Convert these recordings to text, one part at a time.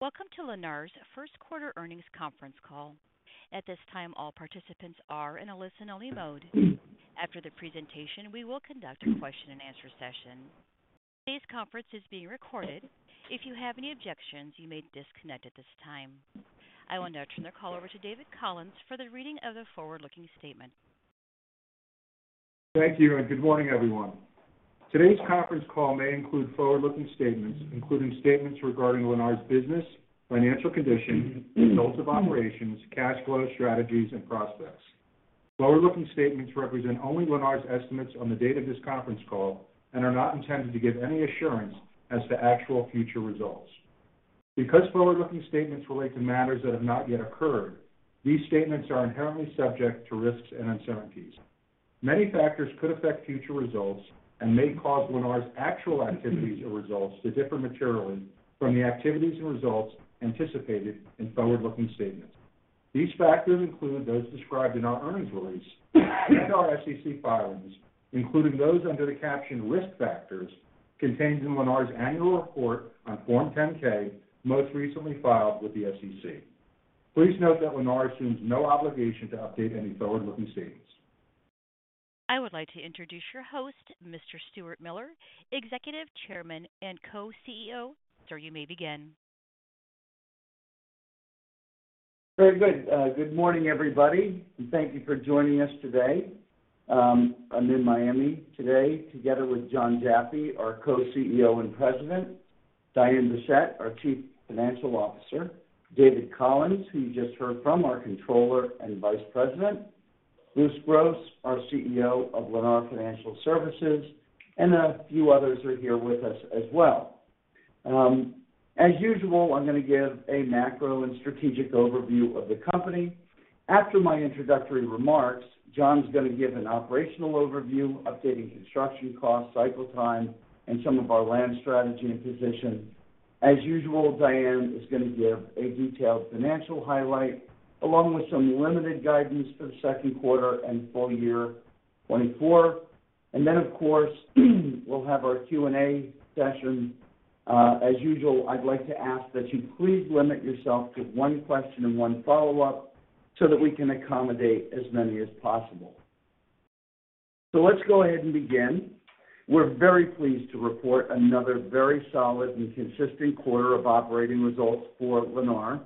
Welcome to Lennar's first quarter earnings conference call. At this time, all participants are in a listen-only mode. After the presentation, we will conduct a question-and-answer session. This conference is being recorded. If you have any objections, you may disconnect at this time. I will now turn the call over to David Collins for the reading of the forward-looking statement. Thank you, and good morning, everyone. Today's conference call may include forward-looking statements, including statements regarding Lennar's business, financial condition, results of operations, cash flow strategies, and prospects. Forward-looking statements represent only Lennar's estimates on the date of this conference call and are not intended to give any assurance as to actual future results. Because forward-looking statements relate to matters that have not yet occurred, these statements are inherently subject to risks and uncertainties. Many factors could affect future results and may cause Lennar's actual activities or results to differ materially from the activities and results anticipated in forward-looking statements. These factors include those described in our earnings release and our SEC filings, including those under the caption "Risk Factors" contained in Lennar's annual report on Form 10-K, most recently filed with the SEC. Please note that Lennar assumes no obligation to update any forward-looking statements. I would like to introduce your host, Mr. Stuart Miller, Executive Chairman and Co-CEO. Sir, you may begin. Very good. Good morning, everybody, and thank you for joining us today. I'm in Miami today together with Jonathan Jaffe, our Co-CEO and President, Diane Bessette, our Chief Financial Officer, David Collins, who you just heard from, our Controller and Vice President, Bruce Gross, our CEO of Lennar Financial Services, and a few others are here with us as well. As usual, I'm going to give a macro and strategic overview of the company. After my introductory remarks, Jonathan's going to give an operational overview, updating construction costs, cycle time, and some of our land strategy and position. As usual, Diane is going to give a detailed financial highlight along with some limited guidance for the second quarter and full year 2024. And then, of course, we'll have our Q&A session. As usual, I'd like to ask that you please limit yourself to one question and one follow-up so that we can accommodate as many as possible. Let's go ahead and begin. We're very pleased to report another very solid and consistent quarter of operating results for Lennar.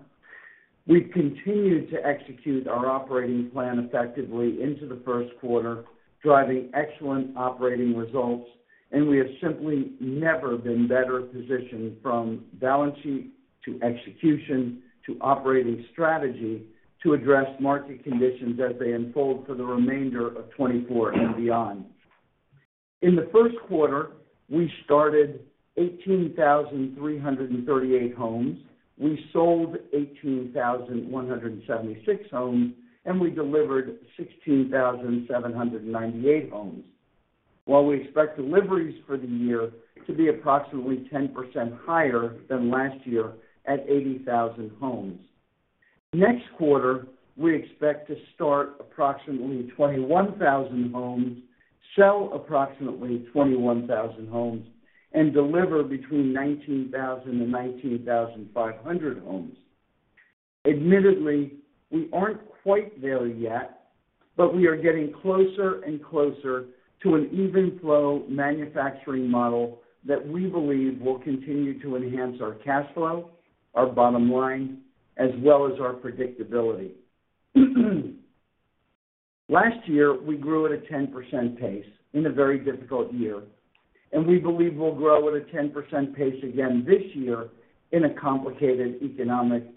We've continued to execute our operating plan effectively into the first quarter, driving excellent operating results, and we have simply never been better positioned from balance sheet to execution to operating strategy to address market conditions as they unfold for the remainder of 2024 and beyond. In the first quarter, we started 18,338 homes, we sold 18,176 homes, and we delivered 16,798 homes, while we expect deliveries for the year to be approximately 10% higher than last year at 80,000 homes. Next quarter, we expect to start approximately 21,000 homes, sell approximately 21,000 homes, and deliver between 19,000 and 19,500 homes. Admittedly, we aren't quite there yet, but we are getting closer and closer to an even-flow manufacturing model that we believe will continue to enhance our cash flow, our bottom line, as well as our predictability. Last year, we grew at a 10% pace in a very difficult year, and we believe we'll grow at a 10% pace again this year in complicated economic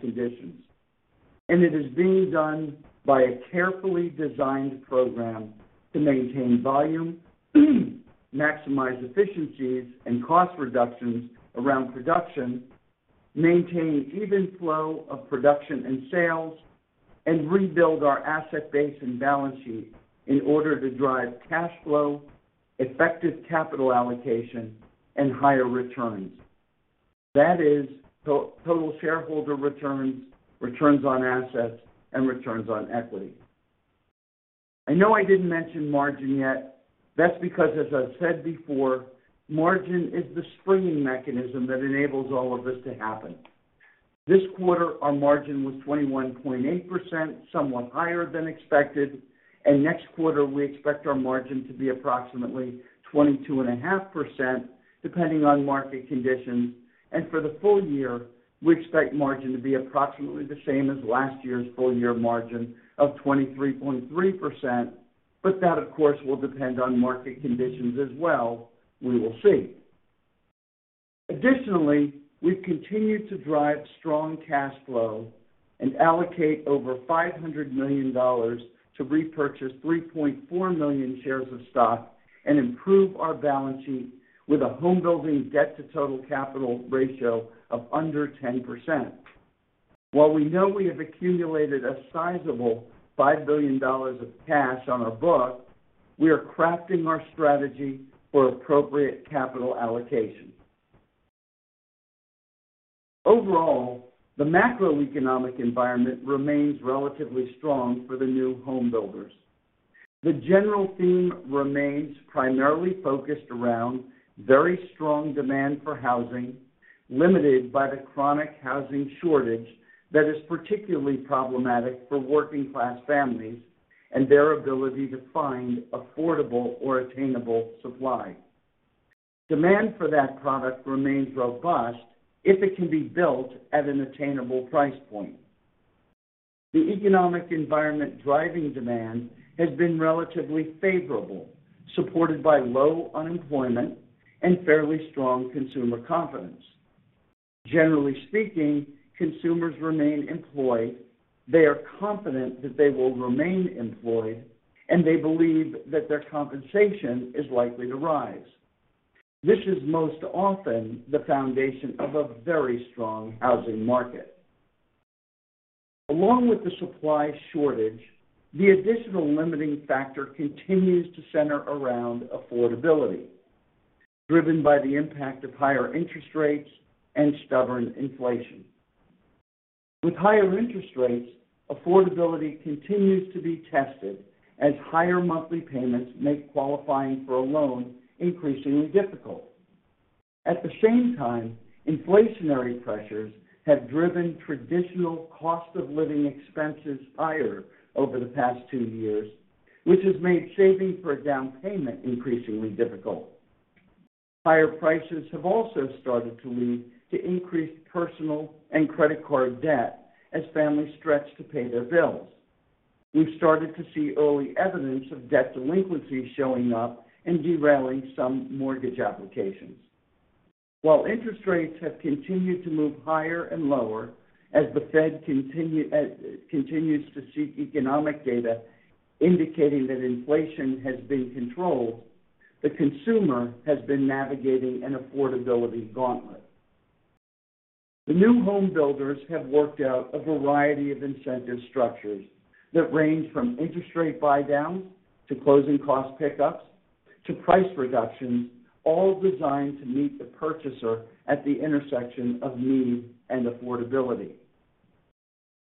conditions. It is being done by a carefully designed program to maintain volume, maximize efficiencies, and cost reductions around production, maintain even flow of production and sales, and rebuild our asset base and balance sheet in order to drive cash flow, effective capital allocation, and higher returns. That is total shareholder returns, returns on assets, and returns on equity. I know I didn't mention margin yet. That's because, as I've said before, margin is the springing mechanism that enables all of this to happen. This quarter, our margin was 21.8%, somewhat higher than expected, and next quarter we expect our margin to be approximately 22.5% depending on market conditions. For the full year, we expect margin to be approximately the same as last year's full-year margin of 23.3%, but that, of course, will depend on market conditions as well. We will see. Additionally, we've continued to drive strong cash flow and allocate over $500 million to repurchase 3.4 million shares of stock and improve our balance sheet with a homebuilding debt-to-total capital ratio of under 10%. While we know we have accumulated a sizable $5 billion of cash on our book, we are crafting our strategy for appropriate capital allocation. Overall, the macroeconomic environment remains relatively strong for the new homebuilders. The general theme remains primarily focused around very strong demand for housing, limited by the chronic housing shortage that is particularly problematic for working-class families and their ability to find affordable or attainable supply. Demand for that product remains robust if it can be built at an attainable price point. The economic environment driving demand has been relatively favorable, supported by low unemployment and fairly strong consumer confidence. Generally speaking, consumers remain employed, they are confident that they will remain employed, and they believe that their compensation is likely to rise. This is most often the foundation of a very strong housing market. Along with the supply shortage, the additional limiting factor continues to center around affordability, driven by the impact of higher interest rates and stubborn inflation. With higher interest rates, affordability continues to be tested as higher monthly payments make qualifying for a loan increasingly difficult. At the same time, inflationary pressures have driven traditional cost-of-living expenses higher over the past two years, which has made saving for a down payment increasingly difficult. Higher prices have also started to lead to increased personal and credit card debt as families stretch to pay their bills. We've started to see early evidence of debt delinquency showing up and derailing some mortgage applications. While interest rates have continued to move higher and lower as the Fed continues to seek economic data indicating that inflation has been controlled, the consumer has been navigating an affordability gauntlet. The new homebuilders have worked out a variety of incentive structures that range from interest rate buy-downs to closing cost pickups to price reductions, all designed to meet the purchaser at the intersection of need and affordability.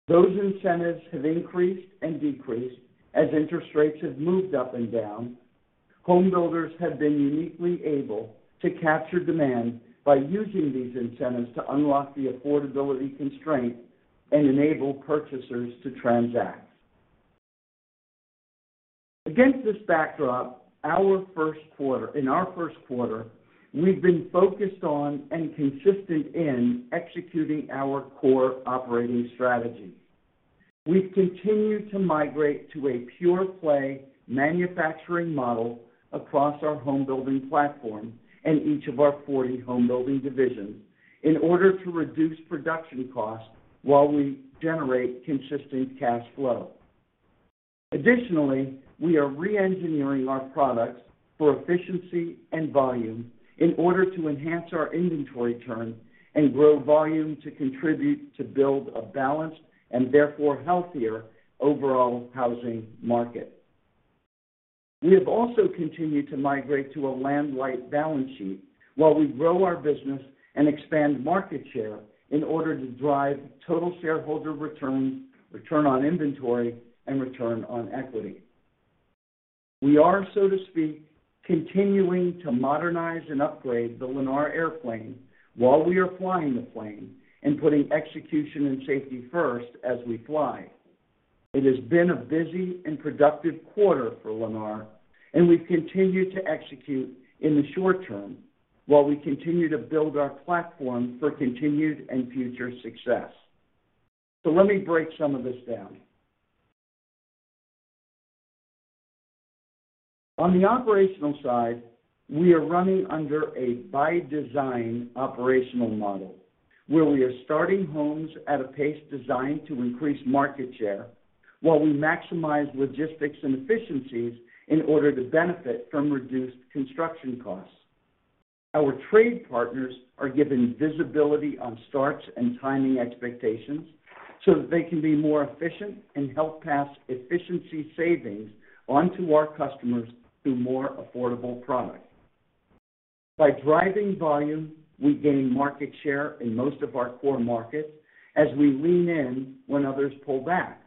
Those incentives have increased and decreased as interest rates have moved up and down. Homebuilders have been uniquely able to capture demand by using these incentives to unlock the affordability constraint and enable purchasers to transact. Against this backdrop, in our first quarter, we've been focused on and consistent in executing our core operating strategy. We've continued to migrate to a pure-play manufacturing model across our homebuilding platform and each of our 40 homebuilding divisions in order to reduce production costs while we generate consistent cash flow. Additionally, we are re-engineering our products for efficiency and volume in order to enhance our inventory turn and grow volume to contribute to build a balanced and therefore healthier overall housing market. We have also continued to migrate to a land-light balance sheet while we grow our business and expand market share in order to drive total shareholder return, return on inventory, and return on equity. We are, so to speak, continuing to modernize and upgrade the Lennar airplane while we are flying the plane and putting execution and safety first as we fly. It has been a busy and productive quarter for Lennar, and we've continued to execute in the short term while we continue to build our platform for continued and future success. Let me break some of this down. On the operational side, we are running under a by design operational model where we are starting homes at a pace designed to increase market share while we maximize logistics and efficiencies in order to benefit from reduced construction costs. Our trade partners are given visibility on starts and timing expectations so that they can be more efficient and help pass efficiency savings onto our customers through more affordable products. By driving volume, we gain market share in most of our core markets as we lean in when others pull back.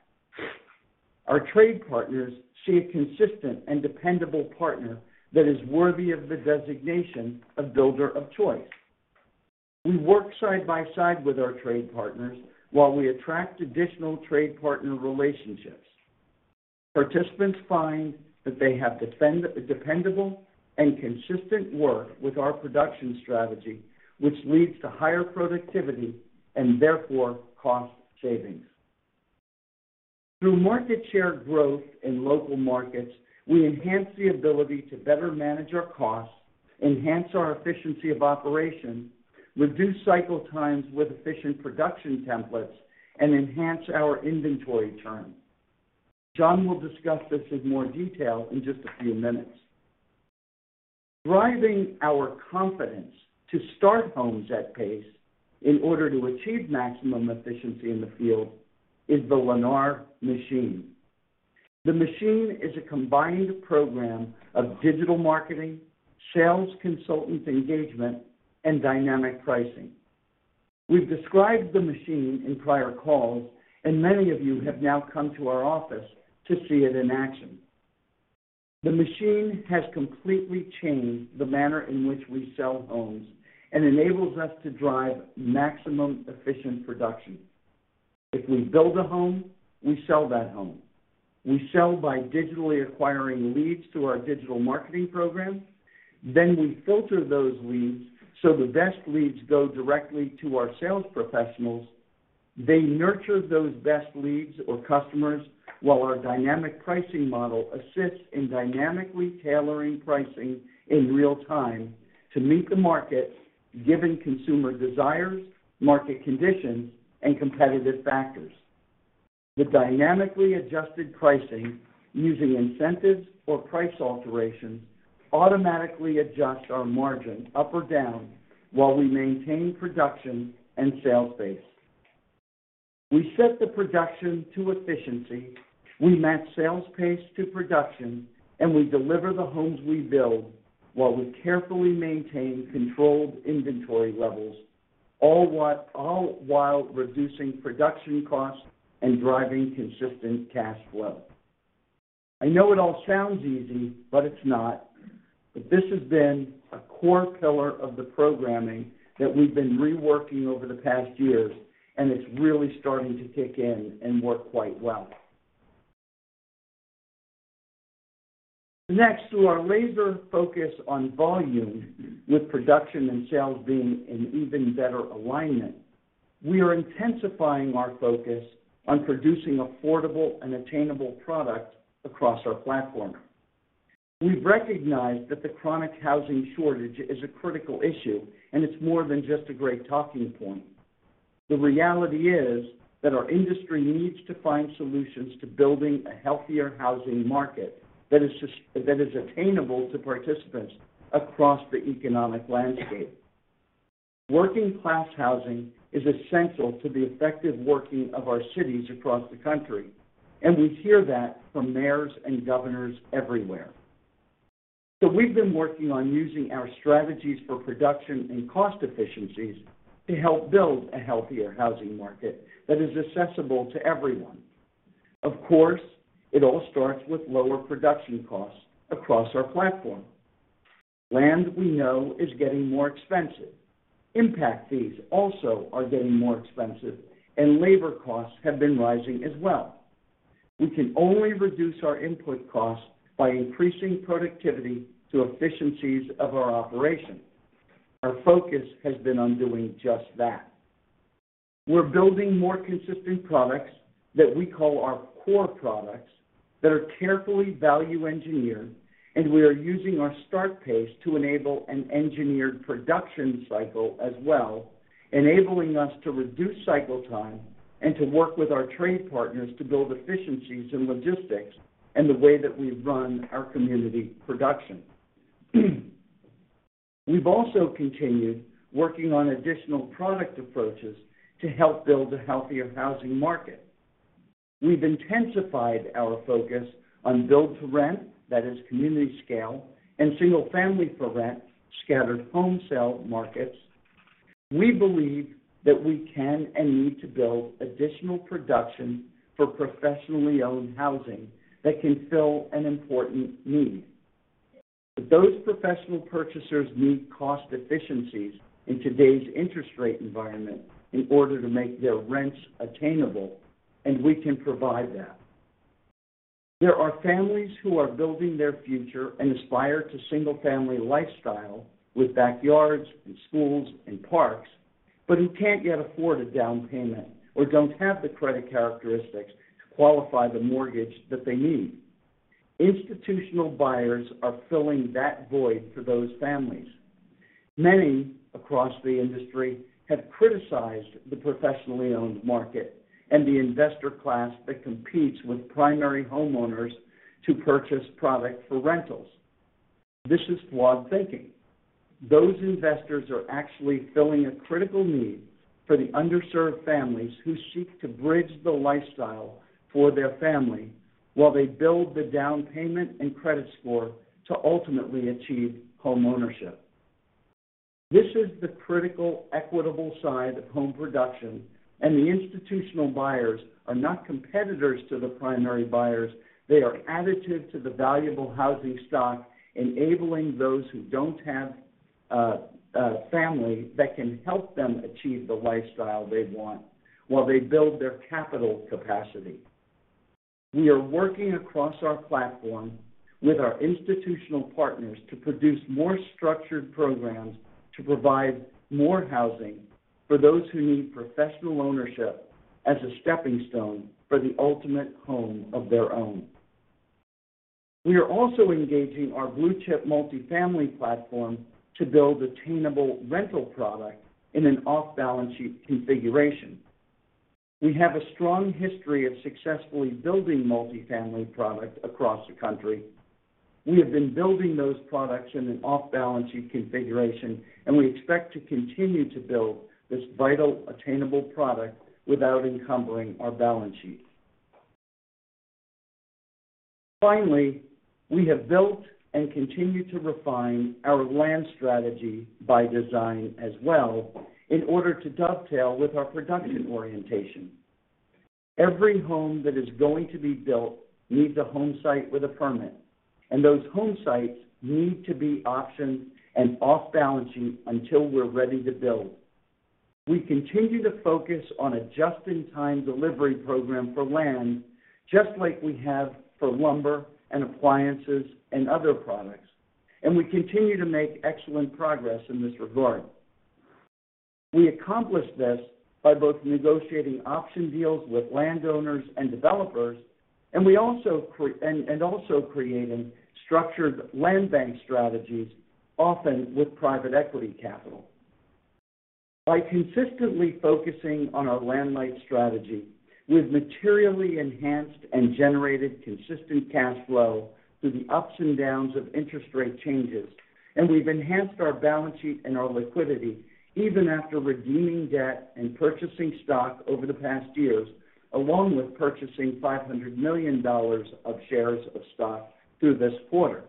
Our trade partners see a consistent and dependable partner that is worthy of the designation of builder of choice. We work side by side with our trade partners while we attract additional trade partner relationships. Participants find that they have dependable and consistent work with our production strategy, which leads to higher productivity and therefore cost savings. Through market share growth in local markets, we enhance the ability to better manage our costs, enhance our efficiency of operation, reduce cycle times with efficient production templates, and enhance our inventory turn. Jonathan will discuss this in more detail in just a few minutes. Driving our confidence to start homes at pace in order to achieve maximum efficiency in the field is the Lennar Machine. The machine is a combined program of digital marketing, sales consultant engagement, and dynamic pricing. We've described the Machine in prior calls, and many of you have now come to our office to see it in action. The machine has completely changed the manner in which we sell homes and enables us to drive maximum efficient production. If we build a home, we sell that home. We sell by digitally acquiring leads through our digital marketing program. Then we filter those leads so the best leads go directly to our sales professionals. They nurture those best leads or customers while our dynamic pricing model assists in dynamically tailoring pricing in real time to meet the market given consumer desires, market conditions, and competitive factors. The dynamically adjusted pricing using incentives or price alterations automatically adjusts our margin up or down while we maintain production and sales pace. We set the production to efficiency, we match sales pace to production, and we deliver the homes we build while we carefully maintain controlled inventory levels all while reducing production costs and driving consistent cash flow. I know it all sounds easy, but it's not. But this has been a core pillar of the programming that we've been reworking over the past years, and it's really starting to kick in and work quite well. Next to our laser focus on volume with production and sales being in even better alignment, we are intensifying our focus on producing affordable and attainable products across our platform. We've recognized that the chronic housing shortage is a critical issue, and it's more than just a great talking point. The reality is that our industry needs to find solutions to building a healthier housing market that is attainable to participants across the economic landscape. Working-class housing is essential to the effective working of our cities across the country, and we hear that from mayors and governors everywhere. So we've been working on using our strategies for production and cost efficiencies to help build a healthier housing market that is accessible to everyone. Of course, it all starts with lower production costs across our platform. Land we know is getting more expensive. Impact fees also are getting more expensive, and labor costs have been rising as well. We can only reduce our input costs by increasing productivity to efficiencies of our operation. Our focus has been on doing just that. We're building more consistent products that we call our core products that are carefully value engineered, and we are using our starts pace to enable an engineered production cycle as well, enabling us to reduce cycle time and to work with our trade partners to build efficiencies in logistics and the way that we run our community production. We've also continued working on additional product approaches to help build a healthier housing market. We've intensified our focus on build-to-rent, that is community scale, and single-family-for-rent scattered home sale markets. We believe that we can and need to build additional production for professionally owned housing that can fill an important need. But those professional purchasers need cost efficiencies in today's interest rate environment in order to make their rents attainable, and we can provide that. There are families who are building their future and aspire to single-family lifestyle with backyards and schools and parks, but who can't yet afford a down payment or don't have the credit characteristics to qualify the mortgage that they need. Institutional buyers are filling that void for those families. Many across the industry have criticized the professionally owned market and the investor class that competes with primary homeowners to purchase product for rentals. This is flawed thinking. Those investors are actually filling a critical need for the underserved families who seek to bridge the lifestyle for their family while they build the down payment and credit score to ultimately achieve home ownership. This is the critical equitable side of home production, and the institutional buyers are not competitors to the primary buyers. They are additive to the valuable housing stock, enabling those who don't have a family that can help them achieve the lifestyle they want while they build their capital capacity. We are working across our platform with our institutional partners to produce more structured programs to provide more housing for those who need professional ownership as a stepping stone for the ultimate home of their own. We are also engaging our blue-chip multifamily platform to build attainable rental product in an off-balance sheet configuration. We have a strong history of successfully building multifamily product across the country. We have been building those products in an off-balance sheet configuration, and we expect to continue to build this vital attainable product without encumbering our balance sheet. Finally, we have built and continue to refine our land strategy by design as well in order to dovetail with our production orientation. Every home that is going to be built needs a home site with a permit, and those home sites need to be optioned and off-balance sheet until we're ready to build. We continue to focus on a just-in-time delivery program for land just like we have for lumber and appliances and other products, and we continue to make excellent progress in this regard. We accomplish this by both negotiating option deals with landowners and developers and also creating structured land bank strategies, often with private equity capital. By consistently focusing on our land-light strategy with materially enhanced and generated consistent cash flow through the ups and downs of interest rate changes, and we've enhanced our balance sheet and our liquidity even after redeeming debt and purchasing stock over the past years, along with purchasing $500 million of shares of stock through this quarter.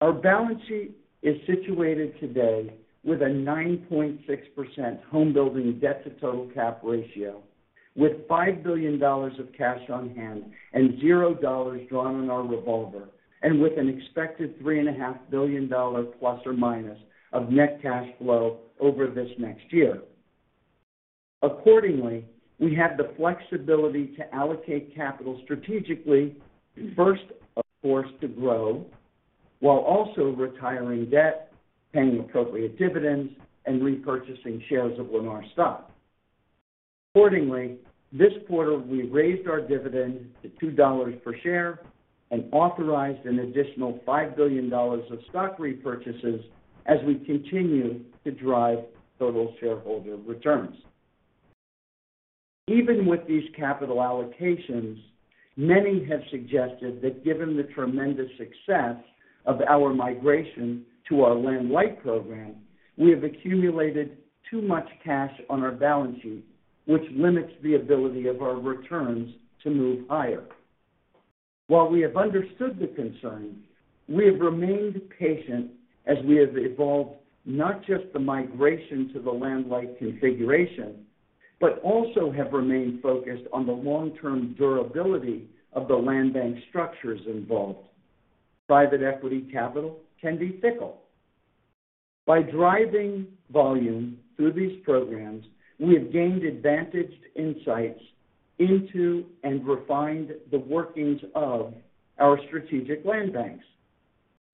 Our balance sheet is situated today with a 9.6% homebuilding debt-to-total capital ratio, with $5 billion of cash on hand and $0 drawn on our revolver, and with an expected $3.5 billion ± of net cash flow over this next year. Accordingly, we have the flexibility to allocate capital strategically, first, of course, to grow, while also retiring debt, paying appropriate dividends, and repurchasing shares of Lennar stock. Accordingly, this quarter, we raised our dividend to $2 per share and authorized an additional $5 billion of stock repurchases as we continue to drive total shareholder returns. Even with these capital allocations, many have suggested that given the tremendous success of our migration to our land-light program, we have accumulated too much cash on our balance sheet, which limits the ability of our returns to move higher. While we have understood the concern, we have remained patient as we have evolved not just the migration to the land-light configuration but also have remained focused on the long-term durability of the land bank structures involved. Private equity capital can be fickle. By driving volume through these programs, we have gained advantaged insights into and refined the workings of our strategic land banks.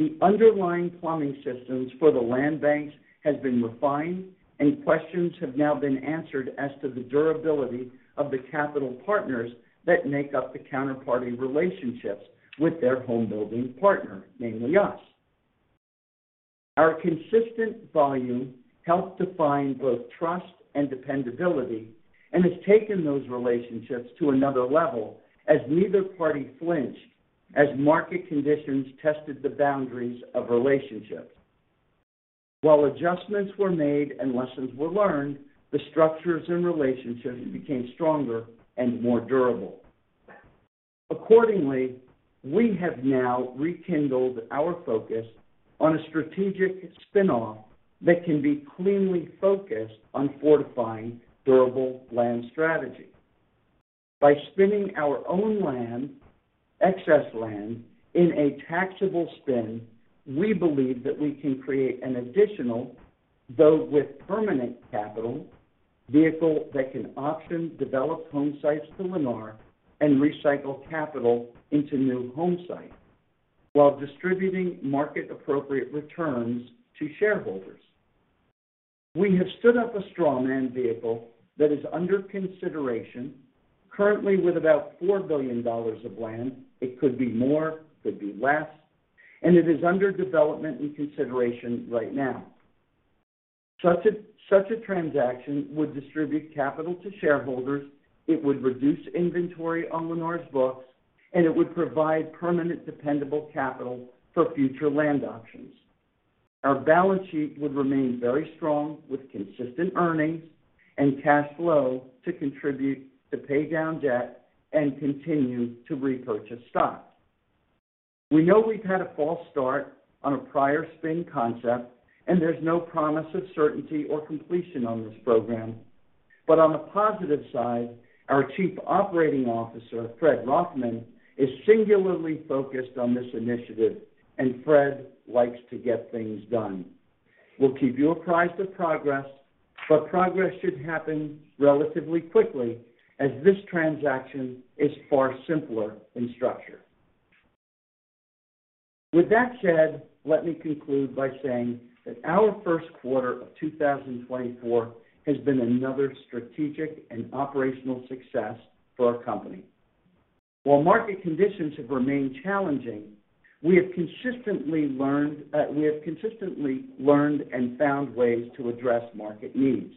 The underlying plumbing systems for the land banks have been refined, and questions have now been answered as to the durability of the capital partners that make up the counterparty relationships with their homebuilding partner, namely us. Our consistent volume helped define both trust and dependability and has taken those relationships to another level as neither party flinched as market conditions tested the boundaries of relationships. While adjustments were made and lessons were learned, the structures and relationships became stronger and more durable. Accordingly, we have now rekindled our focus on a strategic spinoff that can be cleanly focused on fortifying durable land strategy. By spinning our own land, excess land, in a taxable spin, we believe that we can create an additional, though with permanent capital, vehicle that can option develop home sites to Lennar and recycle capital into new home sites while distributing market-appropriate returns to shareholders. We have stood up a straw man vehicle that is under consideration, currently with about $4 billion of land. It could be more, could be less, and it is under development and consideration right now. Such a transaction would distribute capital to shareholders, it would reduce inventory on Lennar's books, and it would provide permanent dependable capital for future land options. Our balance sheet would remain very strong with consistent earnings and cash flow to contribute to pay down debt and continue to repurchase stock. We know we've had a false start on a prior spin concept, and there's no promise of certainty or completion on this program. But on the positive side, our Chief Operating Officer, Fred Rothman, is singularly focused on this initiative, and Fred likes to get things done. We'll keep you apprised of progress, but progress should happen relatively quickly as this transaction is far simpler in structure. With that said, let me conclude by saying that our first quarter of 2024 has been another strategic and operational success for our company. While market conditions have remained challenging, we have consistently learned and found ways to address market needs.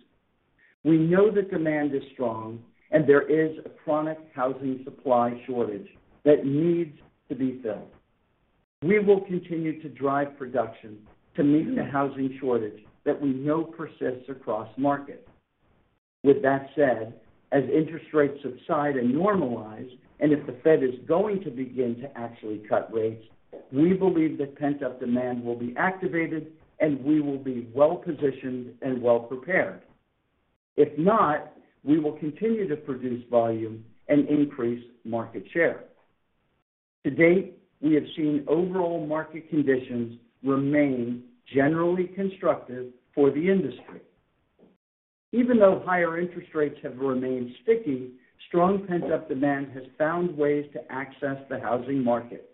We know the demand is strong, and there is a chronic housing supply shortage that needs to be filled. We will continue to drive production to meet the housing shortage that we know persists across market. With that said, as interest rates subside and normalize, and if the Fed is going to begin to actually cut rates, we believe that pent-up demand will be activated, and we will be well-positioned and well-prepared. If not, we will continue to produce volume and increase market share. To date, we have seen overall market conditions remain generally constructive for the industry. Even though higher interest rates have remained sticky, strong pent-up demand has found ways to access the housing market.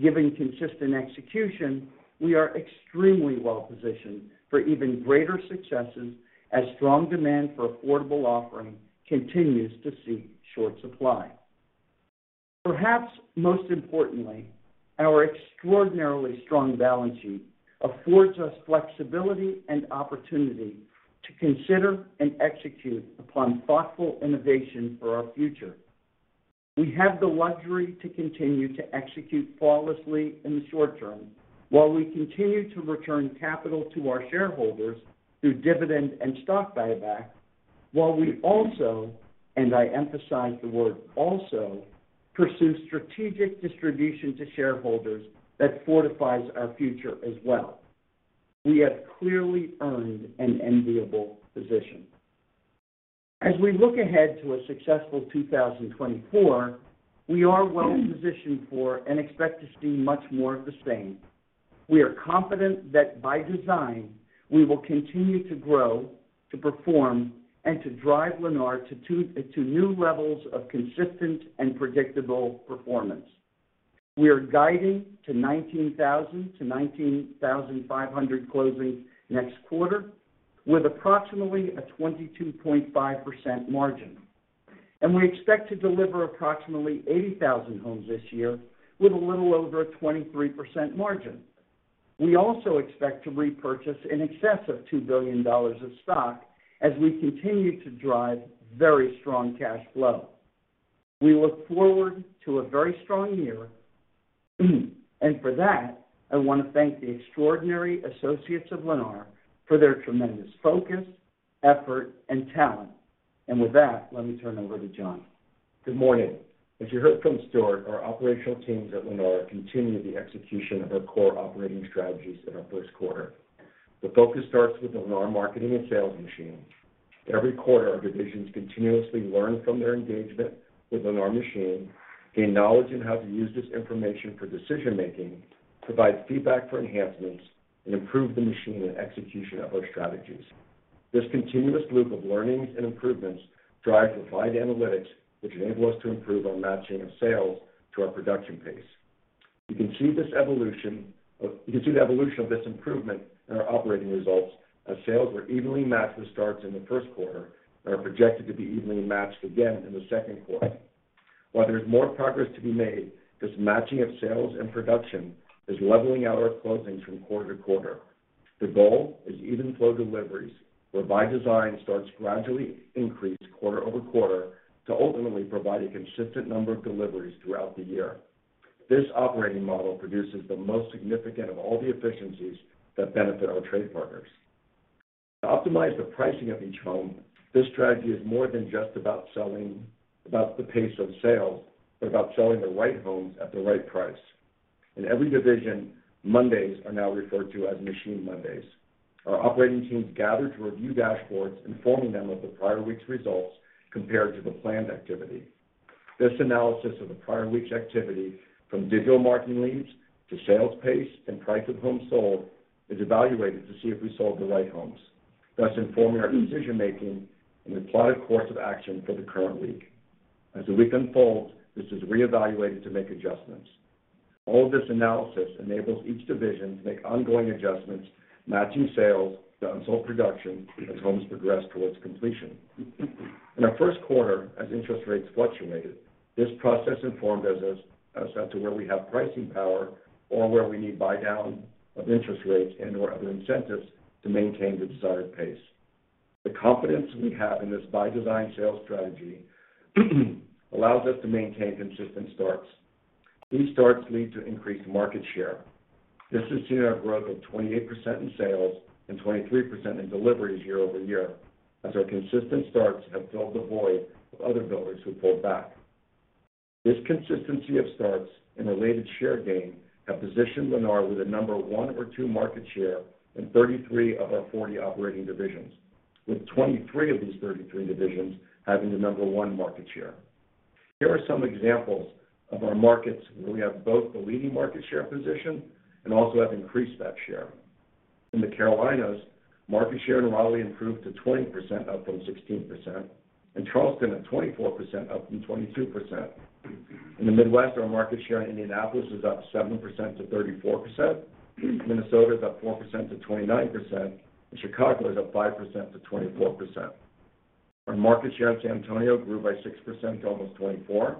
Given consistent execution, we are extremely well-positioned for even greater successes as strong demand for affordable offering continues to seek short supply. Perhaps most importantly, our extraordinarily strong balance sheet affords us flexibility and opportunity to consider and execute upon thoughtful innovation for our future. We have the luxury to continue to execute flawlessly in the short term while we continue to return capital to our shareholders through dividend and stock buyback, while we also, and I emphasize the word also, pursue strategic distribution to shareholders that fortifies our future as well. We have clearly earned an enviable position. As we look ahead to a successful 2024, we are well-positioned for and expect to see much more of the same. We are confident that by design, we will continue to grow, to perform, and to drive Lennar to new levels of consistent and predictable performance. We are guiding to 19,000-19,500 closings next quarter with approximately a 22.5% margin, and we expect to deliver approximately 80,000 homes this year with a little over a 23% margin. We also expect to repurchase in excess of $2 billion of stock as we continue to drive very strong cash flow. We look forward to a very strong year, and for that, I want to thank the extraordinary associates of Lennar for their tremendous focus, effort, and talent. With that, let me turn over to Jonathan. Good morning. As you heard from Stuart, our operational teams at Lennar continue the execution of our core operating strategies in our first quarter. The focus starts with the Lennar marketing and sales machine. Every quarter, our divisions continuously learn from their engagement with the Lennar machine, gain knowledge on how to use this information for decision-making, provide feedback for enhancements, and improve the machine and execution of our strategies. This continuous loop of learnings and improvements drives refined analytics, which enable us to improve our matching of sales to our production pace. You can see the evolution of this improvement in our operating results as sales were evenly matched with starts in the first quarter and are projected to be evenly matched again in the second quarter. While there is more progress to be made, this matching of sales and production is leveling out our closings from quarter to quarter. The goal is even-flow deliveries where, by design, starts gradually increased quarter over quarter to ultimately provide a consistent number of deliveries throughout the year. This operating model produces the most significant of all the efficiencies that benefit our trade partners. To optimize the pricing of each home, this strategy is more than just about selling about the pace of sales, but about selling the right homes at the right price. In every division, Mondays are now referred to as Machine Mondays. Our operating teams gather to review dashboards, informing them of the prior week's results compared to the planned activity. This analysis of the prior week's activity from digital marketing leads to sales pace and price of homes sold is evaluated to see if we sold the right homes, thus informing our decision-making and the plotted course of action for the current week. As the week unfolds, this is reevaluated to make adjustments. All of this analysis enables each division to make ongoing adjustments, matching sales to unsold production as homes progress toward completion. In our first quarter, as interest rates fluctuated, this process informed us as to where we have pricing power or where we need buy down of interest rates and/or other incentives to maintain the desired pace. The confidence we have in this by design sales strategy allows us to maintain consistent starts. These starts lead to increased market share. This has seen our growth of 28% in sales and 23% in deliveries year-over-year as our consistent starts have filled the void of other builders who pulled back. This consistency of starts and related share gain have positioned Lennar with a number one or two market share in 33 of our 40 operating divisions, with 23 of these 33 divisions having the number one market share. Here are some examples of our markets where we have both the leading market share position and also have increased that share. In the Carolinas, market share in Raleigh improved to 20%, up from 16%, and Charleston at 24%, up from 22%. In the Midwest, our market share in Indianapolis is up 7% to 34%, Minnesota is up 4% to 29%, and Chicago is up 5% to 24%. Our market share in San Antonio grew by 6% to almost 24%.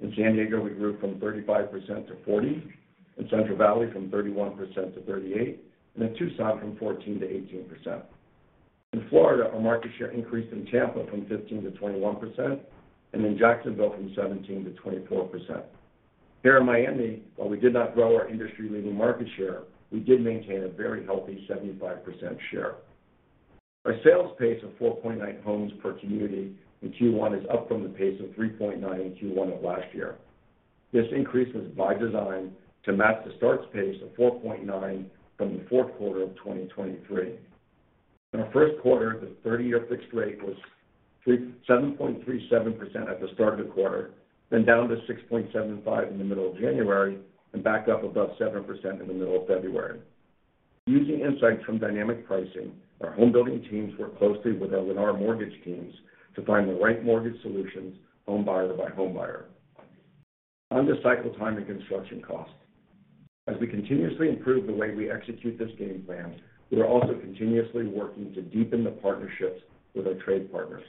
In San Diego, we grew from 35% to 40%, in Central Valley from 31% to 38%, and in Tucson from 14% to 18%. In Florida, our market share increased in Tampa from 15% to 21%, and in Jacksonville from 17% to 24%. Here in Miami, while we did not grow our industry-leading market share, we did maintain a very healthy 75% share. Our sales pace of 4.9 homes per community in Q1 is up from the pace of 3.9 in Q1 of last year. This increase was by design to match the starts pace of 4.9 from the fourth quarter of 2023. In our first quarter, the 30-year fixed rate was 7.37% at the start of the quarter, then down to 6.75% in the middle of January, and back up above 7% in the middle of February. Using insights from dynamic pricing, our homebuilding teams worked closely with our Lennar Mortgage teams to find the right mortgage solutions homebuyer by homebuyer. On to cycle time and construction costs. As we continuously improve the way we execute this game plan, we are also continuously working to deepen the partnerships with our trade partners.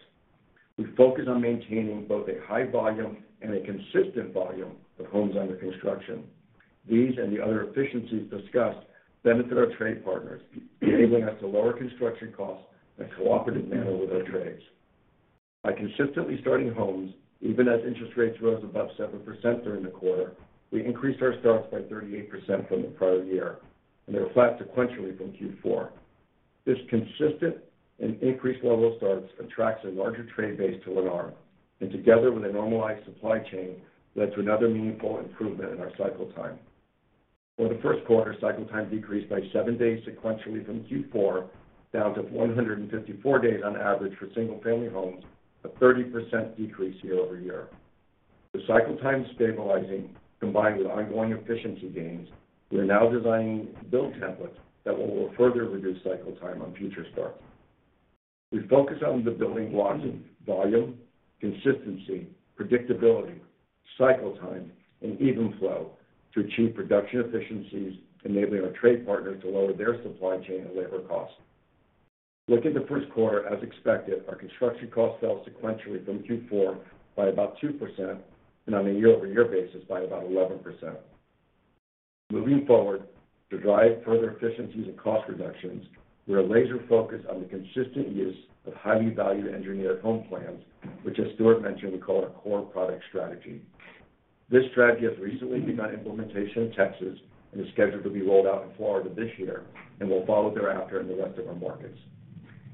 We focus on maintaining both a high volume and a consistent volume of homes under construction. These and the other efficiencies discussed benefit our trade partners, enabling us to lower construction costs in a cooperative manner with our trades. By consistently starting homes, even as interest rates rose above 7% during the quarter, we increased our starts by 38% from the prior year, and they were flat sequentially from Q4. This consistent and increased level of starts attracts a larger trade base to Lennar, and together with a normalized supply chain, led to another meaningful improvement in our cycle time. For the first quarter, cycle time decreased by 7 days sequentially from Q4 down to 154 days on average for single-family homes, a 30% decrease year-over-year. With cycle time stabilizing, combined with ongoing efficiency gains, we are now designing build templates that will further reduce cycle time on future starts. We focus on the building blocks of volume, consistency, predictability, cycle time, and even flow to achieve production efficiencies, enabling our trade partners to lower their supply chain and labor costs. Looking to first quarter, as expected, our construction costs fell sequentially from Q4 by about 2% and on a year-over-year basis by about 11%. Moving forward, to drive further efficiencies and cost reductions, we are laser-focused on the consistent use of value-engineered home plans, which, as Stuart mentioned, we call our Core Product strategy. This strategy has recently begun implementation in Texas and is scheduled to be rolled out in Florida this year and will follow thereafter in the rest of our markets.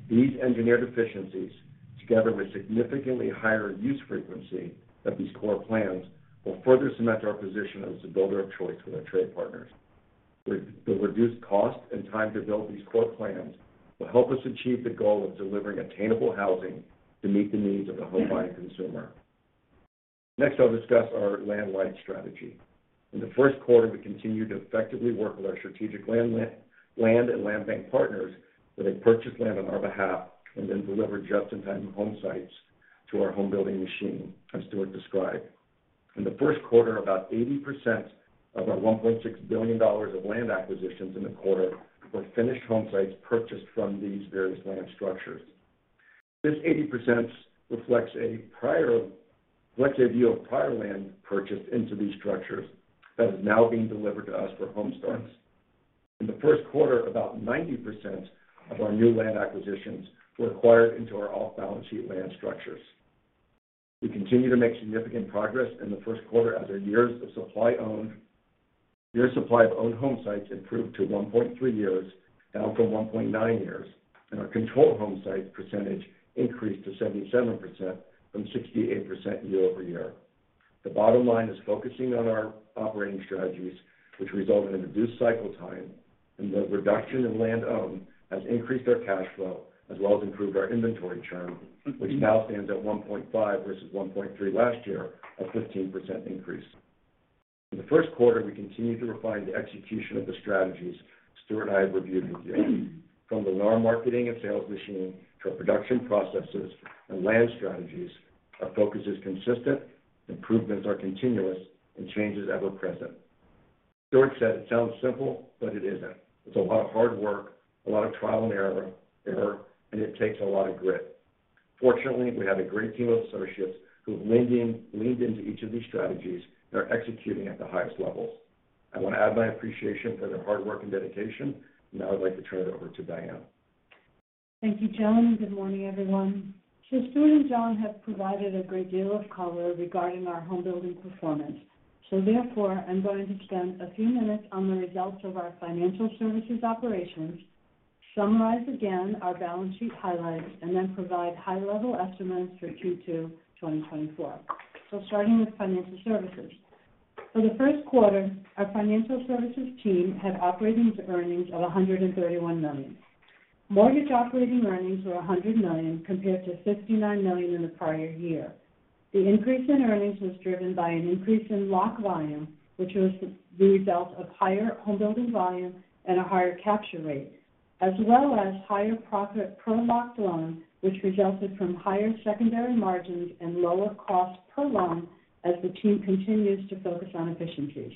These engineered efficiencies, together with significantly higher use frequency of these core plans, will further cement our position as the builder of choice for our trade partners. The reduced cost and time to build these core plans will help us achieve the goal of delivering attainable housing to meet the needs of the homebuying consumer. Next, I'll discuss our land-light strategy. In the first quarter, we continue to effectively work with our strategic land and land bank partners where they purchase land on our behalf and then deliver just-in-time home sites to our homebuilding machine, as Stuart described. In the first quarter, about 80% of our $1.6 billion of land acquisitions in the quarter were finished home sites purchased from these various land structures. This 80% reflects a view of prior land purchased into these structures that is now being delivered to us for home starts. In the first quarter, about 90% of our new land acquisitions were acquired into our off-balance sheet land structures. We continue to make significant progress in the first quarter as our year's supply of owned home sites improved to 1.3 years, down from 1.9 years, and our control home sites percentage increased to 77% from 68% year-over-year. The bottom line is focusing on our operating strategies, which resulted in reduced cycle time, and the reduction in land owned has increased our cash flow as well as improved our inventory turn, which now stands at 1.5 versus 1.3 last year, a 15% increase. In the first quarter, we continue to refine the execution of the strategies Stuart and I have reviewed with you. From the Lennar marketing and sales machine to our production processes and land strategies, our focus is consistent, improvements are continuous, and changes ever-present. Stuart said, "It sounds simple, but it isn't. It's a lot of hard work, a lot of trial and error, and it takes a lot of grit." Fortunately, we have a great team of associates who have leaned into each of these strategies and are executing at the highest levels. I want to add my appreciation for their hard work and dedication. Now I'd like to turn it over to Diane. Thank you, Jonathan. Good morning, everyone. Stuart and Jonathan have provided a great deal of color regarding our homebuilding performance. Therefore, I'm going to spend a few minutes on the results of our financial services operations, summarize again our balance sheet highlights, and then provide high-level estimates for Q2 2024. Starting with financial services. For the first quarter, our financial services team had operating earnings of $131 million. Mortgage operating earnings were $100 million compared to $59 million in the prior year. The increase in earnings was driven by an increase in lock volume, which was the result of higher homebuilding volume and a higher capture rate, as well as higher profit per locked loan, which resulted from higher secondary margins and lower cost per loan as the team continues to focus on efficiencies.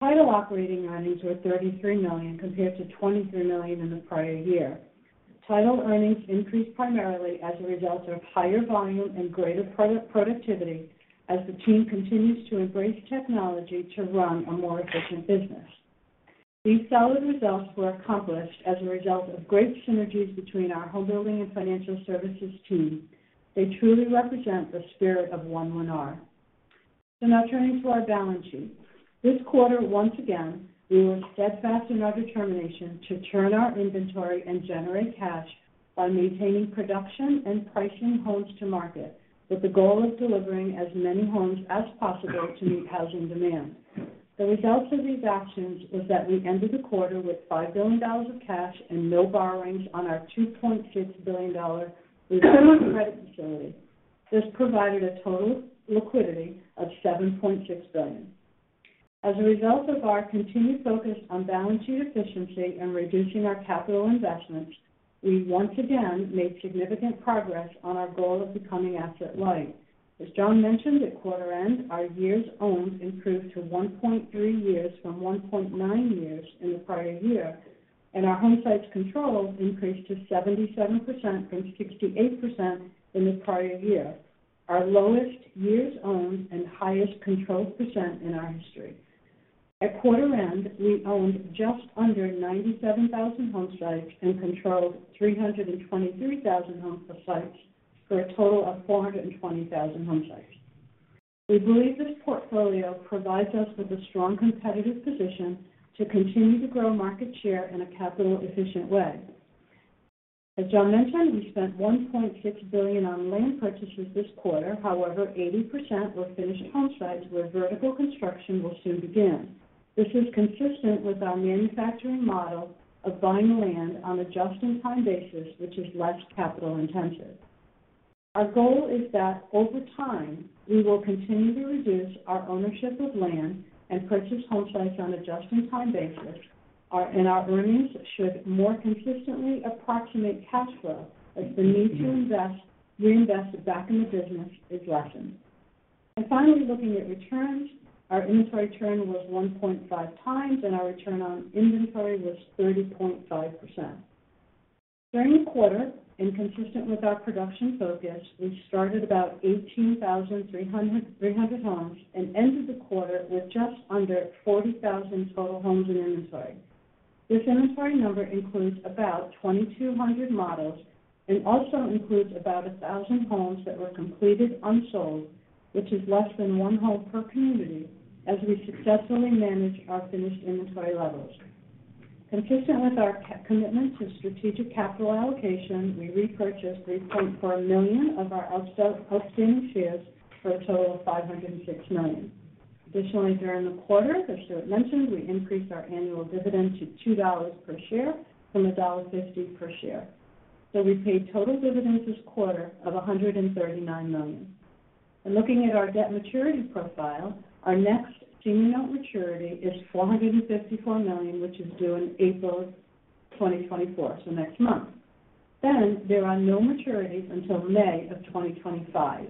Title operating earnings were $33 million compared to $23 million in the prior year. Title earnings increased primarily as a result of higher volume and greater productivity as the team continues to embrace technology to run a more efficient business. These solid results were accomplished as a result of great synergies between our homebuilding and financial services team. They truly represent the spirit of One Lennar. So now turning to our balance sheet. This quarter, once again, we were steadfast in our determination to turn our inventory and generate cash by maintaining production and pricing homes to market with the goal of delivering as many homes as possible to meet housing demand. The results of these actions were that we ended the quarter with $5 billion of cash and no borrowings on our $2.6 billion revolving credit facility. This provided a total liquidity of $7.6 billion. As a result of our continued focus on balance sheet efficiency and reducing our capital investments, we once again made significant progress on our goal of becoming asset-light. As Jonathan mentioned at quarter end, our years owned improved to 1.3 years from 1.9 years in the prior year, and our home sites controlled increased to 77% from 68% in the prior year, our lowest years owned and highest controlled percent in our history. At quarter end, we owned just under 97,000 home sites and controlled 323,000 home sites for a total of 420,000 home sites. We believe this portfolio provides us with a strong competitive position to continue to grow market share in a capital-efficient way. As Jonathan mentioned, we spent $1.6 billion on land purchases this quarter. However, 80% were finished home sites where vertical construction will soon begin. This is consistent with our manufacturing model of buying land on a just-in-time basis, which is less capital-intensive. Our goal is that over time, we will continue to reduce our ownership of land and purchase home sites on a just-in-time basis, and our earnings should more consistently approximate cash flow as the need to reinvest back in the business is lessened. Finally, looking at returns, our inventory turn was 1.5 times, and our return on inventory was 30.5%. During the quarter, and consistent with our production focus, we started about 18,300 homes and ended the quarter with just under 40,000 total homes in inventory. This inventory number includes about 2,200 models and also includes about 1,000 homes that were completed unsold, which is less than one home per community as we successfully manage our finished inventory levels. Consistent with our commitment to strategic capital allocation, we repurchased 3.4 million of our outstanding shares for a total of $506 million. Additionally, during the quarter, as Stuart mentioned, we increased our annual dividend to $2 per share from $1.50 per share. So we paid total dividends this quarter of $139 million. And looking at our debt maturity profile, our next senior note maturity is $454 million, which is due in April 2024, so next month. Then there are no maturities until May of 2025.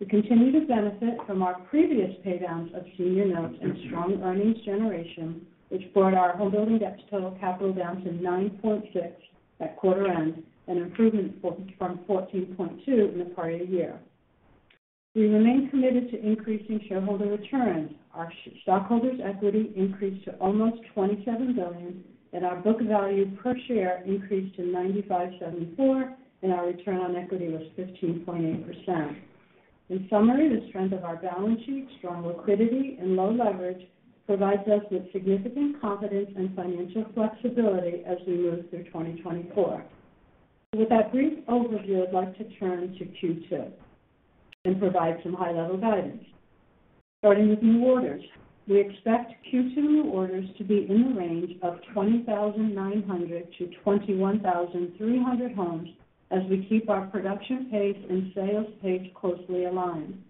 We continue to benefit from our previous paydowns of senior notes and strong earnings generation, which brought our homebuilding debt to total capital down to 9.6% at quarter end and improvement from 14.2% in the prior year. We remain committed to increasing shareholder returns. Our stockholders' equity increased to almost $27 billion, and our book value per share increased to $9,574, and our return on equity was 15.8%. In summary, the strength of our balance sheet, strong liquidity, and low leverage provides us with significant confidence and financial flexibility as we move through 2024. With that brief overview, I'd like to turn to Q2 and provide some high-level guidance. Starting with new orders, we expect Q2 new orders to be in the range of 20,900-21,300 homes as we keep our production pace and sales pace closely aligned.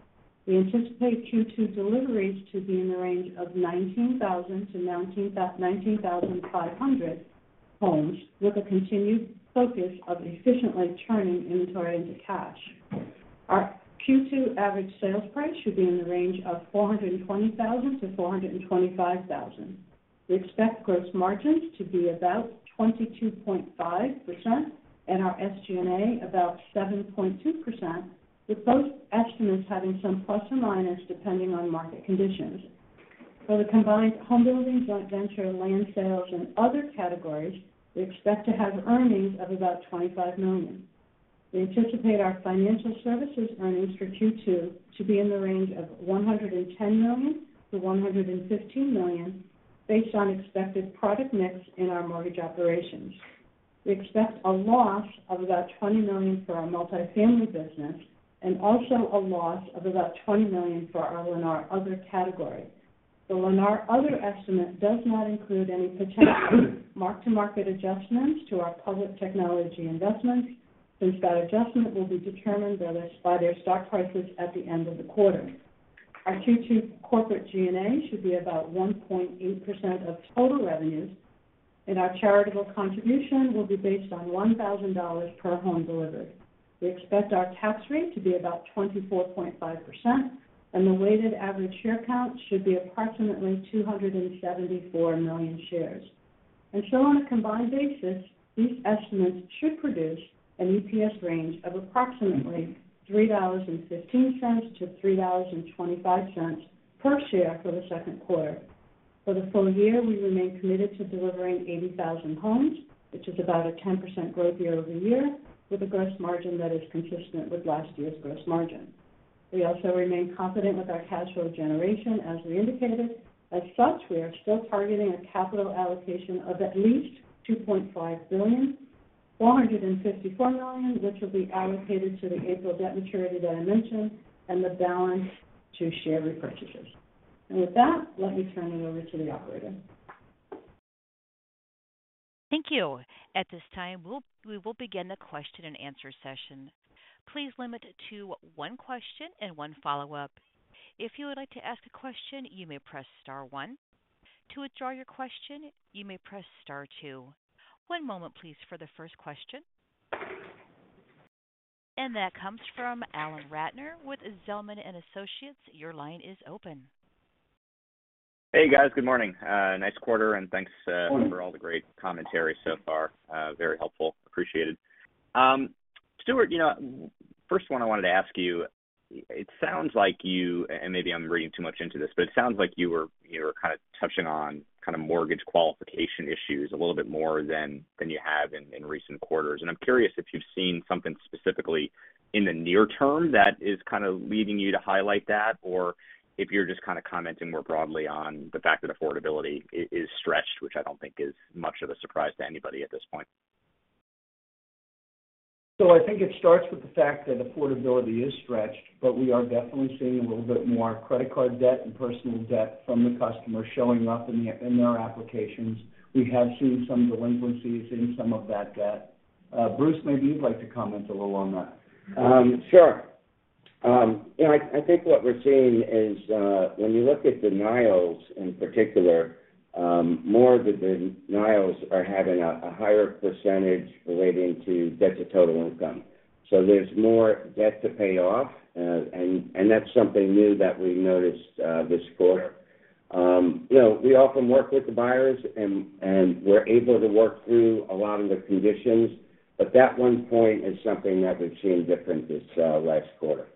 We anticipate Q2 deliveries to be in the range of 19,000-19,500 homes with a continued focus of efficiently turning inventory into cash. Our Q2 average sales price should be in the range of $420,000-$425,000. We expect gross margins to be about 22.5% and our SG&A about 7.2%, with both estimates having some plus or minus depending on market conditions. For the combined homebuilding, joint venture, land sales, and other categories, we expect to have earnings of about $25 million. We anticipate our financial services earnings for Q2 to be in the range of $110 million-$115 million based on expected product mix in our mortgage operations. We expect a loss of about $20 million for our multifamily business and also a loss of about $20 million for our Lennar Other category. The Lennar Other estimate does not include any potential mark-to-market adjustments to our public technology investments since that adjustment will be determined by their stock prices at the end of the quarter. Our Q2 corporate G&A should be about 1.8% of total revenues, and our charitable contribution will be based on $1,000 per home delivered. We expect our tax rate to be about 24.5%, and the weighted average share count should be approximately 274 million shares. And so on a combined basis, these estimates should produce an EPS range of approximately $3.15-$3.25 per share for the second quarter. For the full year, we remain committed to delivering 80,000 homes, which is about a 10% growth year-over-year with a gross margin that is consistent with last year's gross margin. We also remain confident with our cash flow generation as we indicated. As such, we are still targeting a capital allocation of at least $2.5 billion, $454 million, which will be allocated to the April debt maturity that I mentioned, and the balance to share repurchases. With that, let me turn it over to the operator. Thank you. At this time, we will begin the question-and-answer session. Please limit it to one question and one follow-up. If you would like to ask a question, you may press star one. To withdraw your question, you may press star two. One moment, please, for the first question. That comes from Alan Ratner with Zelman & Associates. Your line is open. Hey, guys. Good morning. Nice quarter, and thanks for all the great commentary so far. Very helpful. Appreciate it. Stuart, first one, I wanted to ask you, it sounds like you, and maybe I'm reading too much into this, but it sounds like you were kind of touching on kind of mortgage qualification issues a little bit more than you have in recent quarters. And I'm curious if you've seen something specifically in the near term that is kind of leading you to highlight that, or if you're just kind of commenting more broadly on the fact that affordability is stretched, which I don't think is much of a surprise to anybody at this point. I think it starts with the fact that affordability is stretched, but we are definitely seeing a little bit more credit card debt and personal debt from the customer showing up in their applications. We have seen some delinquencies in some of that debt. Bruce, maybe you'd like to comment a little on that. Sure. I think what we're seeing is when you look at denials in particular, more of the denials are having a higher percentage relating to debt to total income. So there's more debt to pay off, and that's something new that we noticed this quarter. We often work with the buyers, and we're able to work through a lot of the conditions, but that one point is something that we've seen different this last quarter.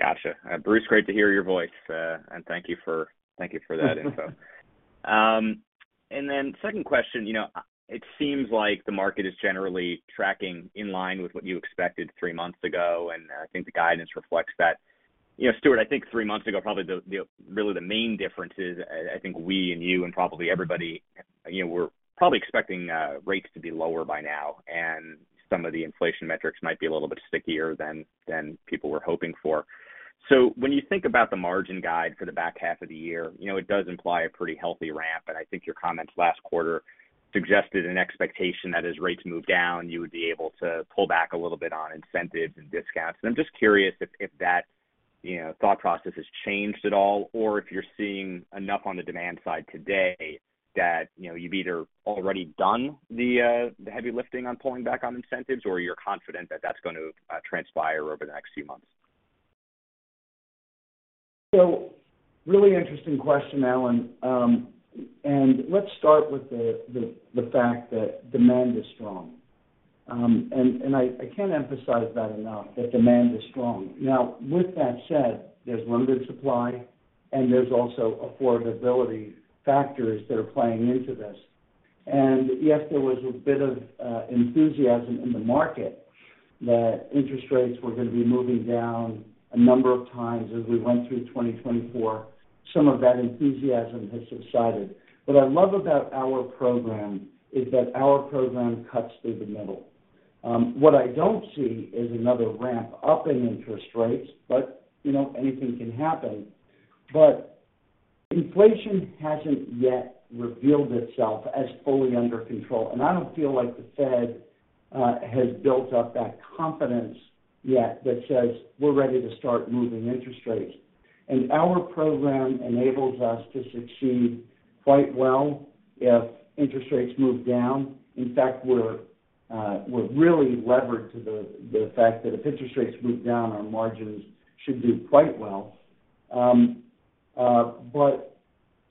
Gotcha. Bruce, great to hear your voice, and thank you for that info. Then second question, it seems like the market is generally tracking in line with what you expected three months ago, and I think the guidance reflects that. Stuart, I think three months ago, probably really the main difference is I think we and you and probably everybody were probably expecting rates to be lower by now, and some of the inflation metrics might be a little bit stickier than people were hoping for. So when you think about the margin guide for the back half of the year, it does imply a pretty healthy ramp, and I think your comments last quarter suggested an expectation that as rates move down, you would be able to pull back a little bit on incentives and discounts. And I'm just curious if that thought process has changed at all, or if you're seeing enough on the demand side today that you've either already done the heavy lifting on pulling back on incentives, or you're confident that that's going to transpire over the next few months. So really interesting question, Alan. Let's start with the fact that demand is strong. I can't emphasize that enough, that demand is strong. Now, with that said, there's limited supply, and there's also affordability factors that are playing into this. Yes, there was a bit of enthusiasm in the market that interest rates were going to be moving down a number of times as we went through 2024. Some of that enthusiasm has subsided. What I love about our program is that our program cuts through the middle. What I don't see is another ramp up in interest rates, but anything can happen. Inflation hasn't yet revealed itself as fully under control, and I don't feel like the Fed has built up that confidence yet that says, "We're ready to start moving interest rates." Our program enables us to succeed quite well if interest rates move down. In fact, we're really levered to the fact that if interest rates move down, our margins should do quite well. But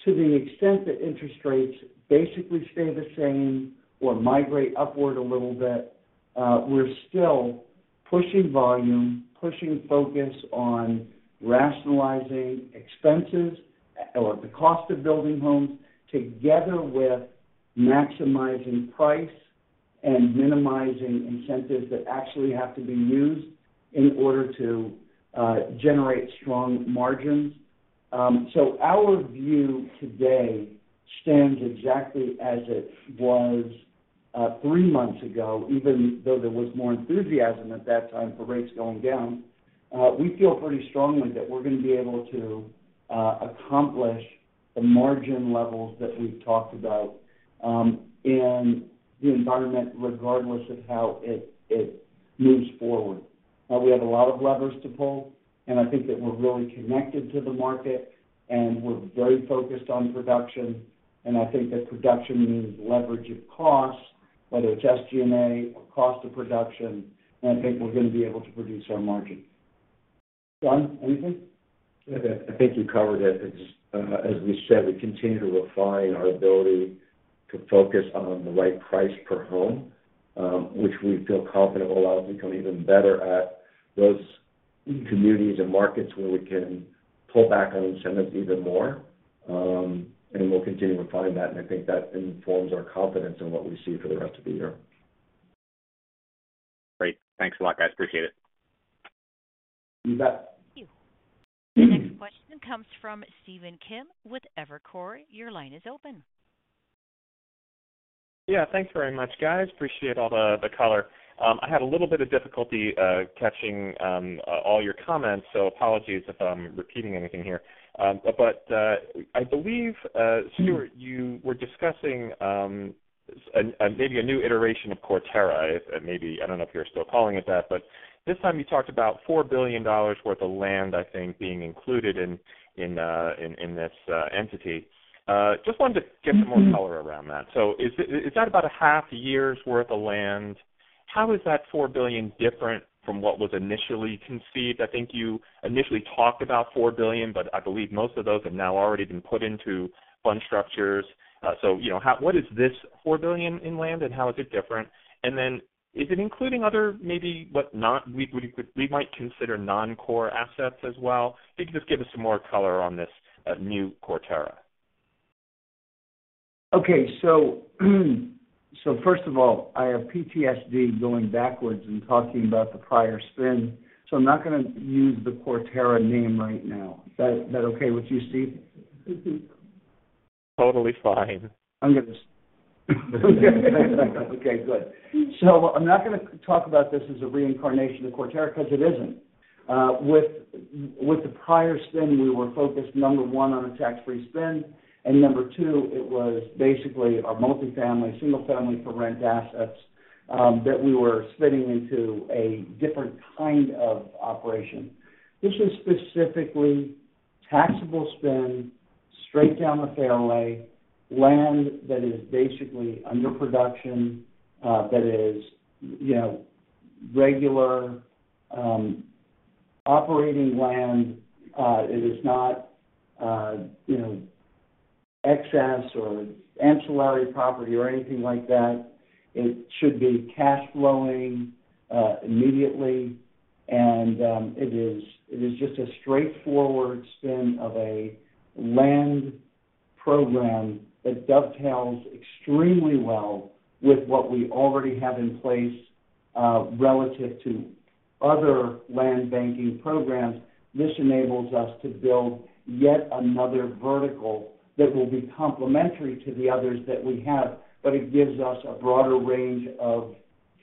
to the extent that interest rates basically stay the same or migrate upward a little bit, we're still pushing volume, pushing focus on rationalizing expenses or the cost of building homes together with maximizing price and minimizing incentives that actually have to be used in order to generate strong margins. So our view today stands exactly as it was three months ago, even though there was more enthusiasm at that time for rates going down. We feel pretty strongly that we're going to be able to accomplish the margin levels that we've talked about in the environment regardless of how it moves forward. We have a lot of levers to pull, and I think that we're really connected to the market, and we're very focused on production. I think that production means leverage of cost, whether it's SG&A or cost of production, and I think we're going to be able to produce our margin. Jonathan, anything? I think you covered it. As we said, we continue to refine our ability to focus on the right price per home, which we feel confident will allow us to become even better at those communities and markets where we can pull back on incentives even more. We'll continue to refine that, and I think that informs our confidence in what we see for the rest of the year. Great. Thanks a lot, guys. Appreciate it. You bet. Thank you. The next question comes from Stephen Kim with Evercore. Your line is open. Yeah. Thanks very much, guys. Appreciate all the color. I had a little bit of difficulty catching all your comments, so apologies if I'm repeating anything here. But I believe, Stuart, you were discussing maybe a new iteration of Quarterra. I don't know if you're still calling it that, but this time you talked about $4 billion worth of land, I think, being included in this entity. Just wanted to get some more color around that. So is that about a half year's worth of land? How is that $4 billion different from what was initially conceived? I think you initially talked about $4 billion, but I believe most of those have now already been put into fund structures. So what is this $4 billion in land, and how is it different? And then is it including other maybe what we might consider non-core assets as well? If you could just give us some more color on this new Quarterra. Okay. So first of all, I have PTSD going backwards and talking about the prior spin, so I'm not going to use the Quarterra name right now. Is that okay with you, Stephen? Totally fine. I'm going to okay. Good. So I'm not going to talk about this as a reincarnation of Quarterra because it isn't. With the prior spin, we were focused, number one, on a tax-free spin, and number two, it was basically our multifamily, single-family-for-rent assets that we were spinning into a different kind of operation. This is specifically taxable spin straight down the fairway, land that is basically under production, that is regular operating land. It is not excess or ancillary property or anything like that. It should be cash-flowing immediately, and it is just a straightforward spin of a land program that dovetails extremely well with what we already have in place relative to other land banking programs. This enables us to build yet another vertical that will be complementary to the others that we have, but it gives us a broader range of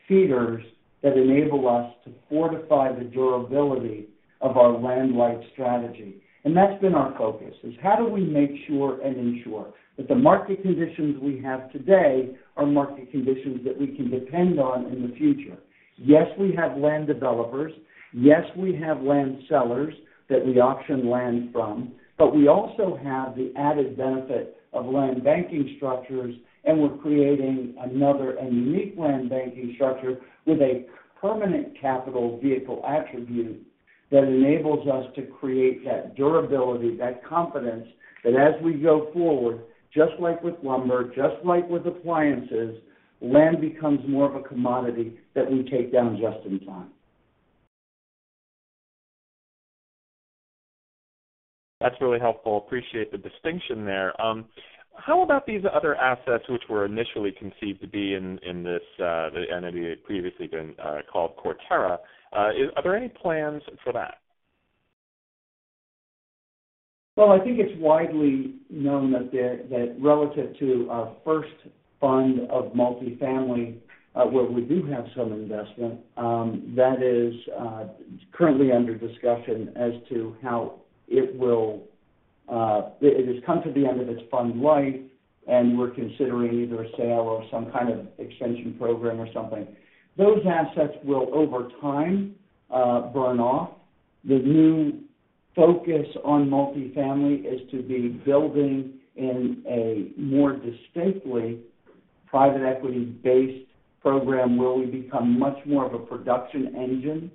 feeders that enable us to fortify the durability of our land-light strategy. And that's been our focus, is how do we make sure and ensure that the market conditions we have today are market conditions that we can depend on in the future? Yes, we have land developers. Yes, we have land sellers that we auction land from, but we also have the added benefit of land banking structures, and we're creating another and unique land banking structure with a permanent capital vehicle attribute that enables us to create that durability, that confidence that as we go forward, just like with lumber, just like with appliances, land becomes more of a commodity that we take down just in time. That's really helpful. Appreciate the distinction there. How about these other assets which were initially conceived to be in this entity that had previously been called Quarterra? Are there any plans for that? Well, I think it's widely known that relative to our first fund of multifamily, where we do have some investment, that is currently under discussion as to how it has come to the end of its fund life, and we're considering either a sale or some kind of extension program or something. Those assets will, over time, burn off. The new focus on multifamily is to be building in a more distinctly private equity-based program where we become much more of a production engine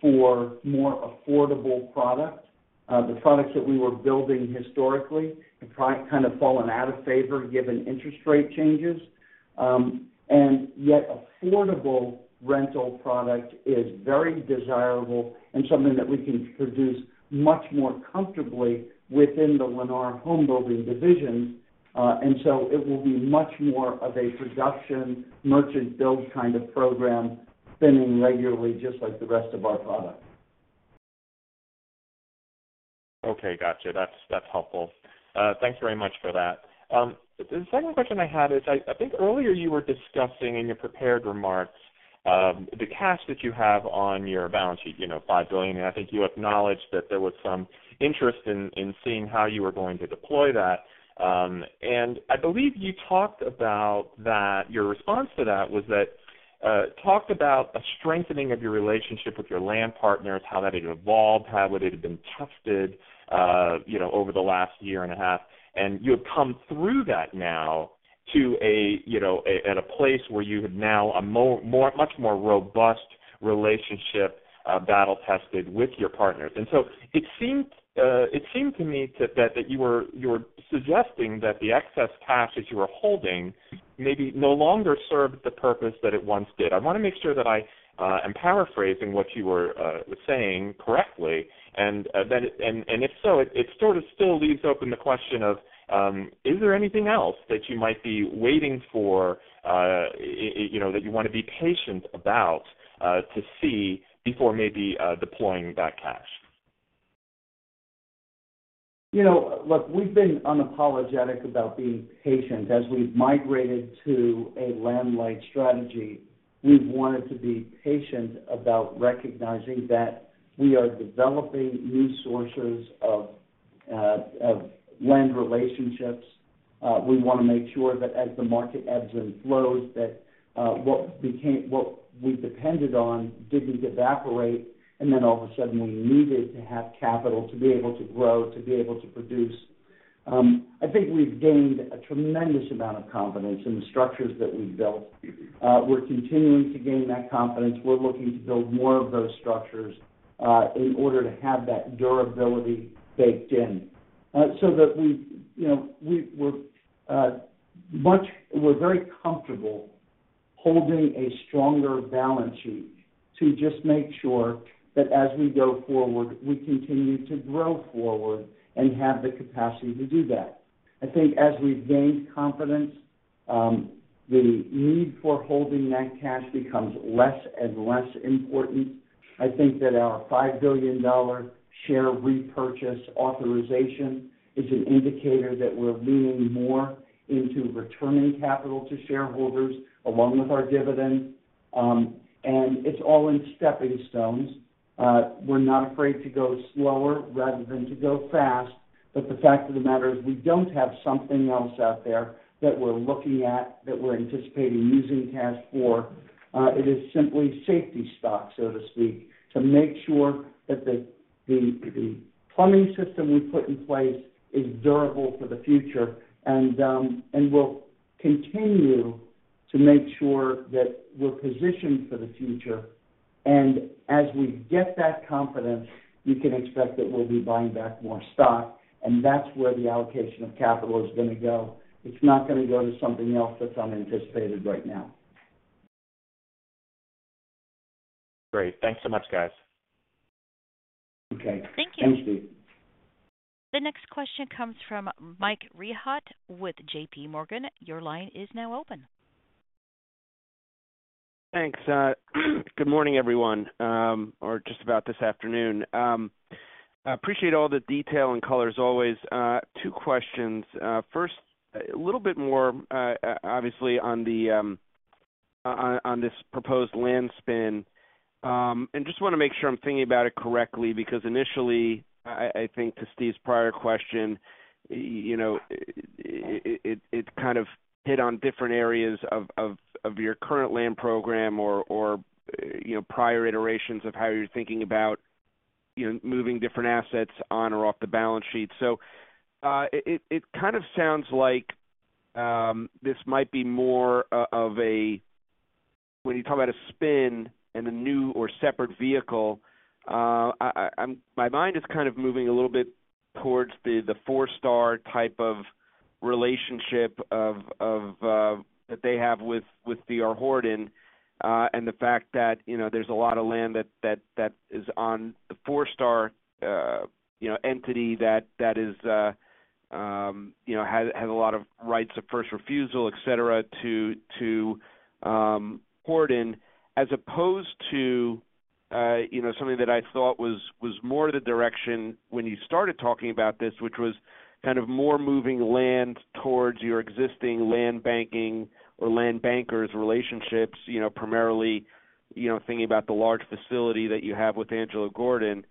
for more affordable product. The products that we were building historically have kind of fallen out of favor given interest rate changes, and yet affordable rental product is very desirable and something that we can produce much more comfortably within the Lennar homebuilding divisions. And so it will be much more of a production merchant-build kind of program spinning regularly just like the rest of our product. Okay. Gotcha. That's helpful. Thanks very much for that. The second question I had is I think earlier you were discussing in your prepared remarks the cash that you have on your balance sheet, $5 billion, and I think you acknowledged that there was some interest in seeing how you were going to deploy that. And I believe you talked about that your response to that was that talked about a strengthening of your relationship with your land partners, how that had evolved, how it had been tested over the last year and a half, and you had come through that now at a place where you had now a much more robust relationship battle-tested with your partners. And so it seemed to me that you were suggesting that the excess cash that you were holding maybe no longer served the purpose that it once did. I want to make sure that I am paraphrasing what you were saying correctly, and if so, it sort of still leaves open the question of is there anything else that you might be waiting for that you want to be patient about to see before maybe deploying that cash? Look, we've been unapologetic about being patient. As we've migrated to a land-light strategy, we've wanted to be patient about recognizing that we are developing new sources of land relationships. We want to make sure that as the market ebbs and flows, that what we depended on didn't evaporate, and then all of a sudden, we needed to have capital to be able to grow, to be able to produce. I think we've gained a tremendous amount of confidence in the structures that we've built. We're continuing to gain that confidence. We're looking to build more of those structures in order to have that durability baked in so that we're very comfortable holding a stronger balance sheet to just make sure that as we go forward, we continue to grow forward and have the capacity to do that. I think as we've gained confidence, the need for holding that cash becomes less and less important. I think that our $5 billion share repurchase authorization is an indicator that we're leaning more into returning capital to shareholders along with our dividends, and it's all in stepping stones. We're not afraid to go slower rather than to go fast, but the fact of the matter is we don't have something else out there that we're looking at, that we're anticipating using cash for. It is simply safety stocks, so to speak, to make sure that the plumbing system we put in place is durable for the future and will continue to make sure that we're positioned for the future. And as we get that confidence, you can expect that we'll be buying back more stock, and that's where the allocation of capital is going to go. It's not going to go to something else that's unanticipated right now. Great. Thanks so much, guys. Okay. Thank you. Thanks, Stephen. The next question comes from Michael Rehaut with J.P. Morgan. Your line is now open. Thanks. Good morning, everyone, or just about this afternoon. I appreciate all the detail and color as always. Two questions. First, a little bit more, obviously, on this proposed land spin, and just want to make sure I'm thinking about it correctly because initially, I think, to Steve's prior question, it kind of hit on different areas of your current land program or prior iterations of how you're thinking about moving different assets on or off the balance sheet. So it kind of sounds like this might be more of a when you talk about a spin and a new or separate vehicle, my mind is kind of moving a little bit towards the Forestar type of relationship that they have with D.R. Horton. Horton and the fact that there's a lot of land that is on the Forestar entity that has a lot of rights of first refusal, etc., to D.R. Horton as opposed to something that I thought was more the direction when you started talking about this, which was kind of more moving land towards your existing land banking or land bankers relationships, primarily thinking about the large facility that you have with Angelo Gordon.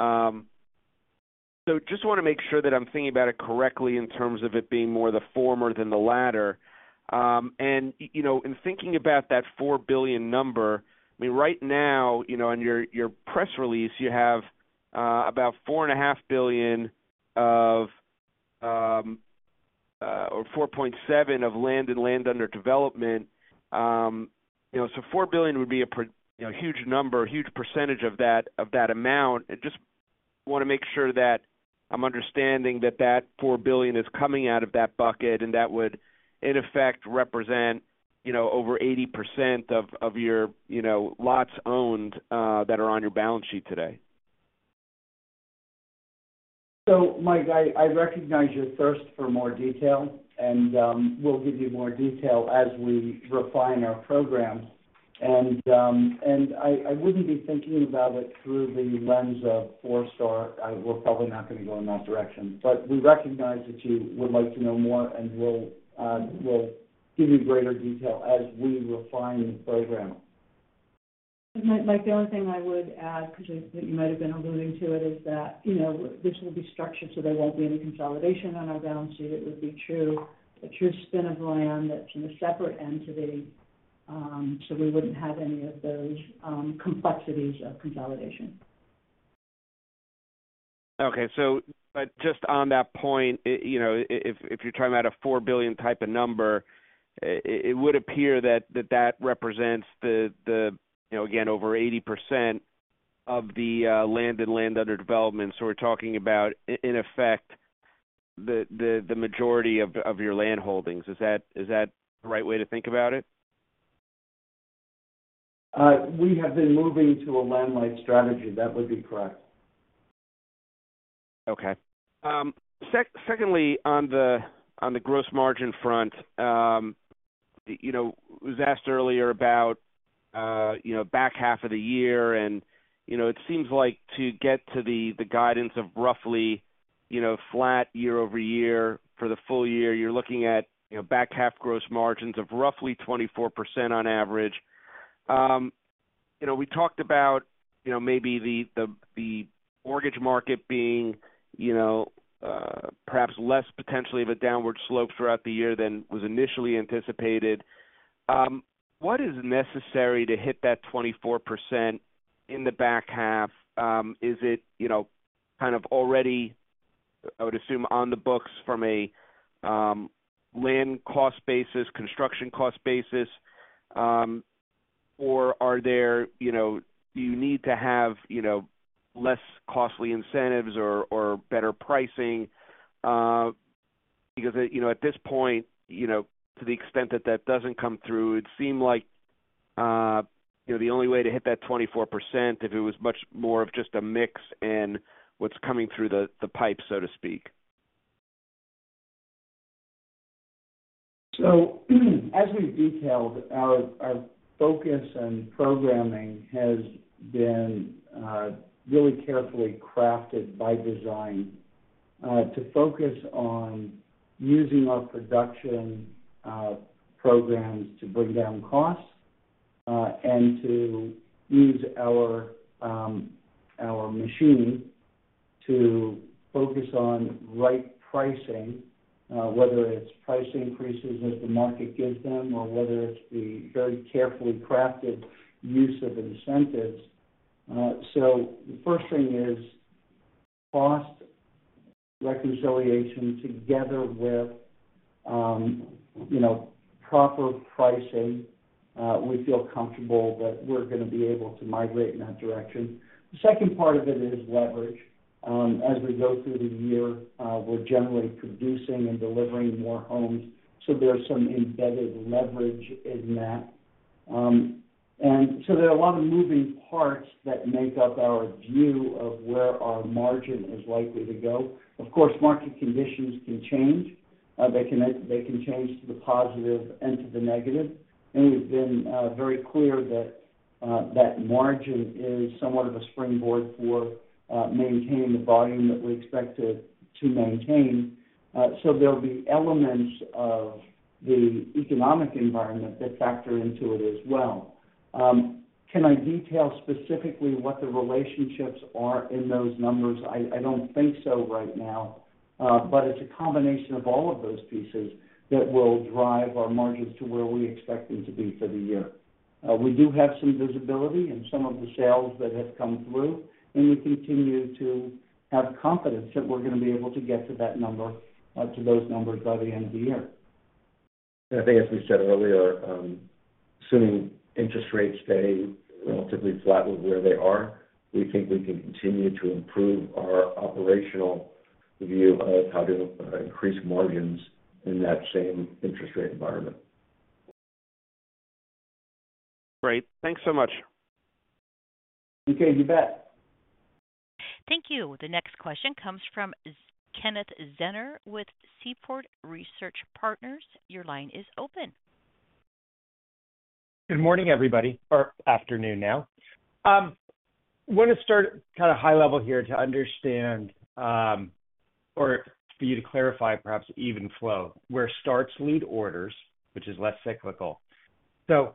So just want to make sure that I'm thinking about it correctly in terms of it being more the former than the latter. And in thinking about that $4 billion number, I mean, right now, in your press release, you have about $4.5 billion or $4.7 billion of land and land under development. So $4 billion would be a huge number, a huge percentage of that amount. I just want to make sure that I'm understanding that that $4 billion is coming out of that bucket, and that would, in effect, represent over 80% of your lots owned that are on your balance sheet today. So, Michael, I recognize your thirst for more detail, and we'll give you more detail as we refine our program. And I wouldn't be thinking about it through the lens of Forestar. We're probably not going to go in that direction, but we recognize that you would like to know more, and we'll give you greater detail as we refine the program. Michael, the only thing I would add because you might have been alluding to it is that this will be structured so there won't be any consolidation on our balance sheet. It would be a true spin of land that's in a separate entity, so we wouldn't have any of those complexities of consolidation. Okay. But just on that point, if you're talking about a $4 billion type of number, it would appear that that represents, again, over 80% of the land and land under development. So we're talking about, in effect, the majority of your land holdings. Is that the right way to think about it? We have been moving to a land-light strategy. That would be correct. Okay. Secondly, on the gross margin front, it was asked earlier about back half of the year, and it seems like to get to the guidance of roughly flat year-over-year for the full year, you're looking at back half gross margins of roughly 24% on average. We talked about maybe the mortgage market being perhaps less potentially of a downward slope throughout the year than was initially anticipated. What is necessary to hit that 24% in the back half? Is it kind of already, I would assume, on the books from a land cost basis, construction cost basis, or do you need to have less costly incentives or better pricing? Because at this point, to the extent that that doesn't come through, it seemed like the only way to hit that 24% if it was much more of just a mix in what's coming through the pipe, so to speak. So as we've detailed, our focus and programming has been really carefully crafted by design to focus on using our production programs to bring down costs and to use our machine to focus on right pricing, whether it's price increases as the market gives them or whether it's the very carefully crafted use of incentives. So the first thing is cost reconciliation together with proper pricing. We feel comfortable that we're going to be able to migrate in that direction. The second part of it is leverage. As we go through the year, we're generally producing and delivering more homes, so there's some embedded leverage in that. And so there are a lot of moving parts that make up our view of where our margin is likely to go. Of course, market conditions can change. They can change to the positive and to the negative, and we've been very clear that that margin is somewhat of a springboard for maintaining the volume that we expect to maintain. There'll be elements of the economic environment that factor into it as well. Can I detail specifically what the relationships are in those numbers? I don't think so right now, but it's a combination of all of those pieces that will drive our margins to where we expect them to be for the year. We do have some visibility in some of the sales that have come through, and we continue to have confidence that we're going to be able to get to those numbers by the end of the year. And I think, as we said earlier, assuming interest rates stay relatively flat with where they are, we think we can continue to improve our operational view of how to increase margins in that same interest rate environment. Great. Thanks so much. Okay. You bet. Thank you. The next question comes from Kenneth Zener with Seaport Research Partners. Your line is open. Good morning, everybody, or afternoon now. I want to start kind of high-level here to understand or for you to clarify, perhaps Even-flow, where starts lead orders, which is less cyclical. So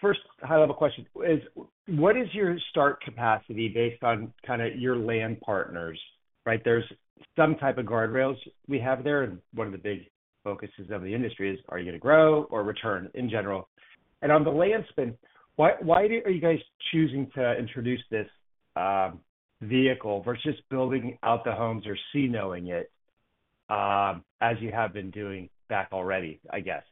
first high-level question is, what is your start capacity based on kind of your land partners, right? There's some type of guardrails we have there, and one of the big focuses of the industry is, are you going to grow or return in general? And on the land spin, why are you guys choosing to introduce this vehicle versus building out the homes or owning it as you have been doing already back, I guess?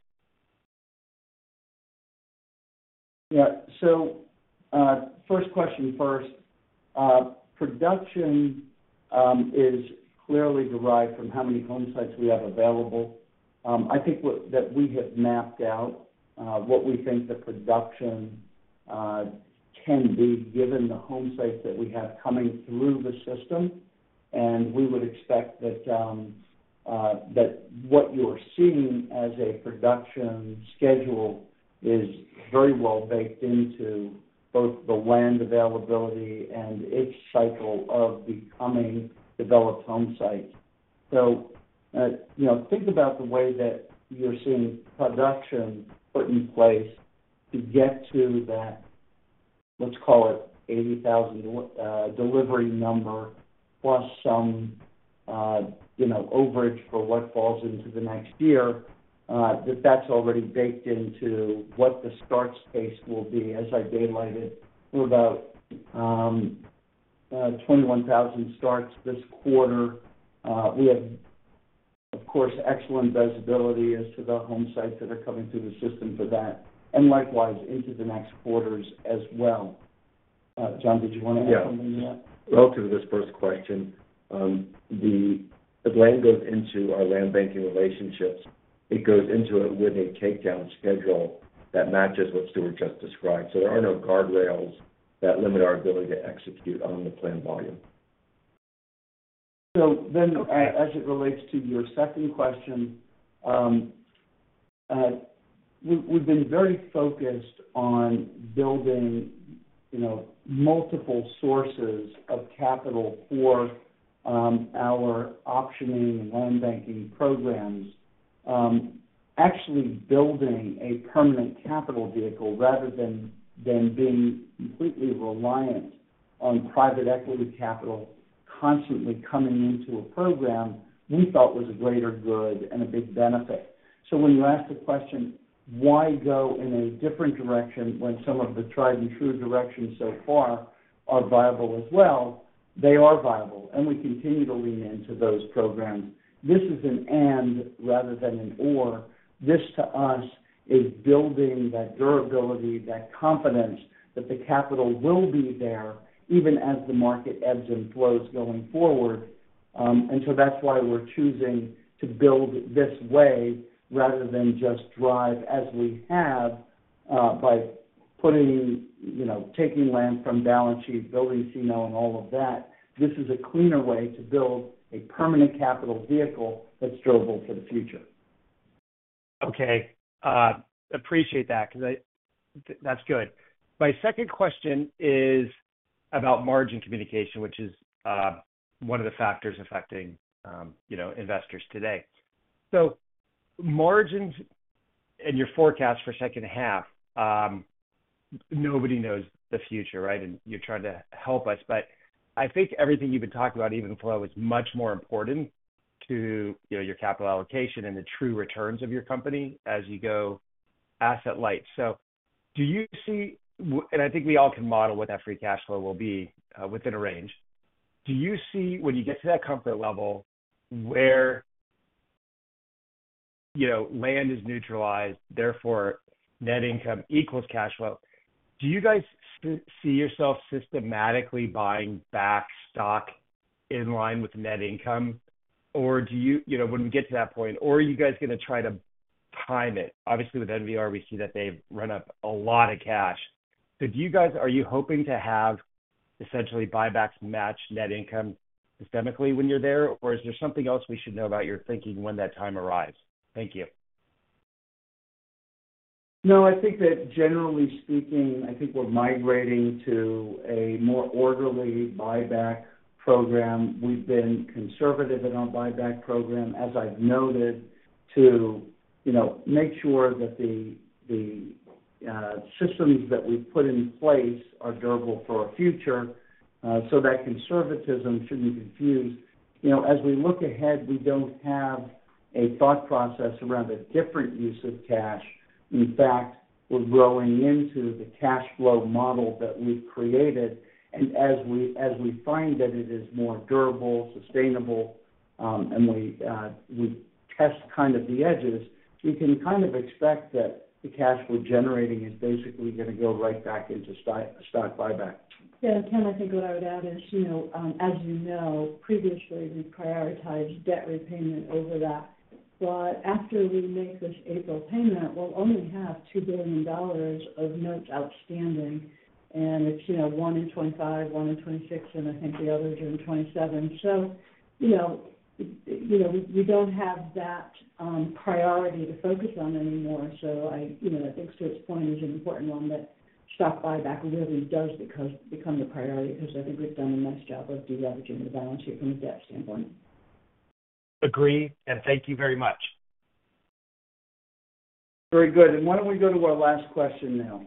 Yeah. So first question first. Production is clearly derived from how many home sites we have available. I think that we have mapped out what we think the production can be given the home sites that we have coming through the system, and we would expect that what you're seeing as a production schedule is very well baked into both the land availability and its cycle of becoming developed home sites. So think about the way that you're seeing production put in place to get to that, let's call it, 80,000 delivery number plus some overage for what falls into the next year. That's already baked into what the starts case will be. As I daylighted, we're about 21,000 starts this quarter. We have, of course, excellent visibility as to the home sites that are coming through the system for that and likewise into the next quarters as well. Jonathan, did you want to add something to that? Yeah. Relative to this first question, as land goes into our land banking relationships, it goes into it with a takedown schedule that matches what Stuart just described. So there are no guardrails that limit our ability to execute on the planned volume. So then as it relates to your second question, we've been very focused on building multiple sources of capital for our optioning and land banking programs. Actually building a permanent capital vehicle rather than being completely reliant on private equity capital constantly coming into a program we thought was a greater good and a big benefit. So when you ask the question, why go in a different direction when some of the tried-and-true directions so far are viable as well, they are viable, and we continue to lean into those programs. This is an and rather than an or. This, to us, is building that durability, that confidence that the capital will be there even as the market ebbs and flows going forward. And so that's why we're choosing to build this way rather than just drive as we have by taking land from balance sheets, building C&O, and all of that. This is a cleaner way to build a permanent capital vehicle that's durable for the future. Okay. Appreciate that because that's good. My second question is about margin communication, which is one of the factors affecting investors today. So margins and your forecast for second half, nobody knows the future, right? And you're trying to help us, but I think everything you've been talking about, even-flow, is much more important to your capital allocation and the true returns of your company as you go land-light. So do you see and I think we all can model what that free cash flow will be within a range. Do you see, when you get to that comfort level where land is neutralized, therefore, net income equals cash flow, do you guys see yourself systematically buying back stock in line with net income, or when we get to that point, are you guys going to try to time it? Obviously, with NVR, we see that they've run up a lot of cash. So are you hoping to have essentially buybacks match net income systematically when you're there, or is there something else we should know about your thinking when that time arrives? Thank you. No, I think that generally speaking, I think we're migrating to a more orderly buyback program. We've been conservative in our buyback program, as I've noted, to make sure that the systems that we've put in place are durable for our future. So that conservatism shouldn't confuse. As we look ahead, we don't have a thought process around a different use of cash. In fact, we're growing into the cash flow model that we've created. And as we find that it is more durable, sustainable, and we test kind of the edges, we can kind of expect that the cash we're generating is basically going to go right back into stock buyback. Yeah. Kenneth, I think what I would add is, as you know, previously, we've prioritized debt repayment over that. But after we make this April payment, we'll only have $2 billion of notes outstanding, and it's one in 2025, one in 2026, and I think the others are in 2027. So we don't have that priority to focus on anymore. So I think Stuart's point is an important one, that stock buyback really does become the priority because I think we've done a nice job of de-leveraging the balance sheet from a debt standpoint. Agree. And thank you very much. Very good. And why don't we go to our last question now?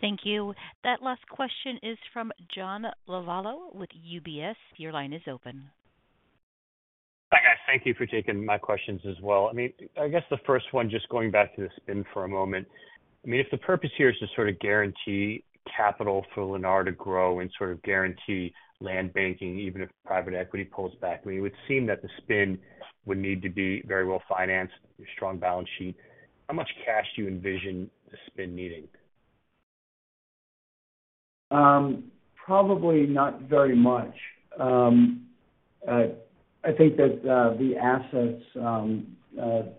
Thank you. That last question is from John Lovallo with UBS. Your line is open. Hi, guys. Thank you for taking my questions as well. I mean, I guess the first one, just going back to the spin for a moment. I mean, if the purpose here is to sort of guarantee capital for Lennar to grow and sort of guarantee land banking, even if private equity pulls back, I mean, it would seem that the spin would need to be very well financed, a strong balance sheet. How much cash do you envision the spin needing? Probably not very much. I think that the assets,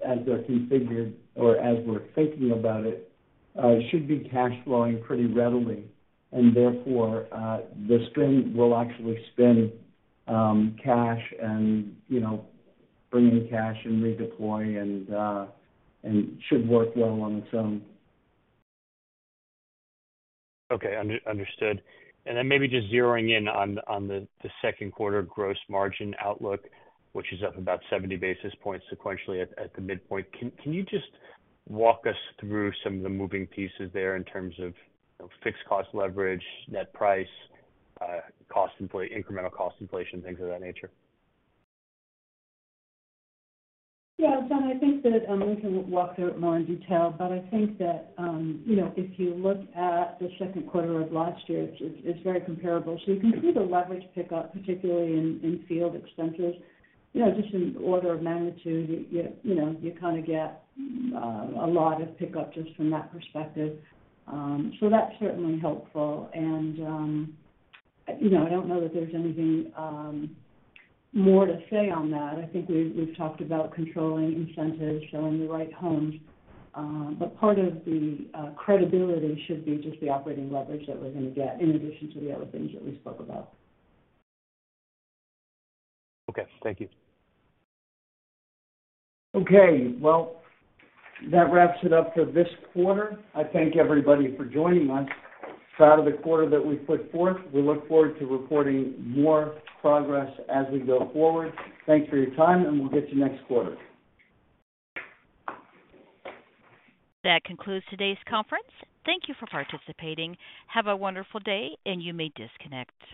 as they're configured or as we're thinking about it, should be cash flowing pretty readily. And therefore, the spin will actually spin cash and bring in cash and redeploy and should work well on its own. Okay. Understood. And then maybe just zeroing in on the second quarter gross margin outlook, which is up about 70 basis points sequentially at the midpoint. Can you just walk us through some of the moving pieces there in terms of fixed cost leverage, net price, incremental cost inflation, things of that nature? Yeah. John, I think that we can walk through it more in detail, but I think that if you look at the second quarter of last year, it's very comparable. So you can see the leverage pickup, particularly in field expenses. Just in order of magnitude, you kind of get a lot of pickup just from that perspective. So that's certainly helpful. And I don't know that there's anything more to say on that. I think we've talked about controlling incentives, selling the right homes. But part of the credibility should be just the operating leverage that we're going to get in addition to the other things that we spoke about. Okay. Thank you. Okay. Well, that wraps it up for this quarter. I thank everybody for joining us. Proud of the quarter that we put forth. We look forward to reporting more progress as we go forward. Thanks for your time, and we'll get you next quarter. That concludes today's conference. Thank you for participating. Have a wonderful day, and you may disconnect.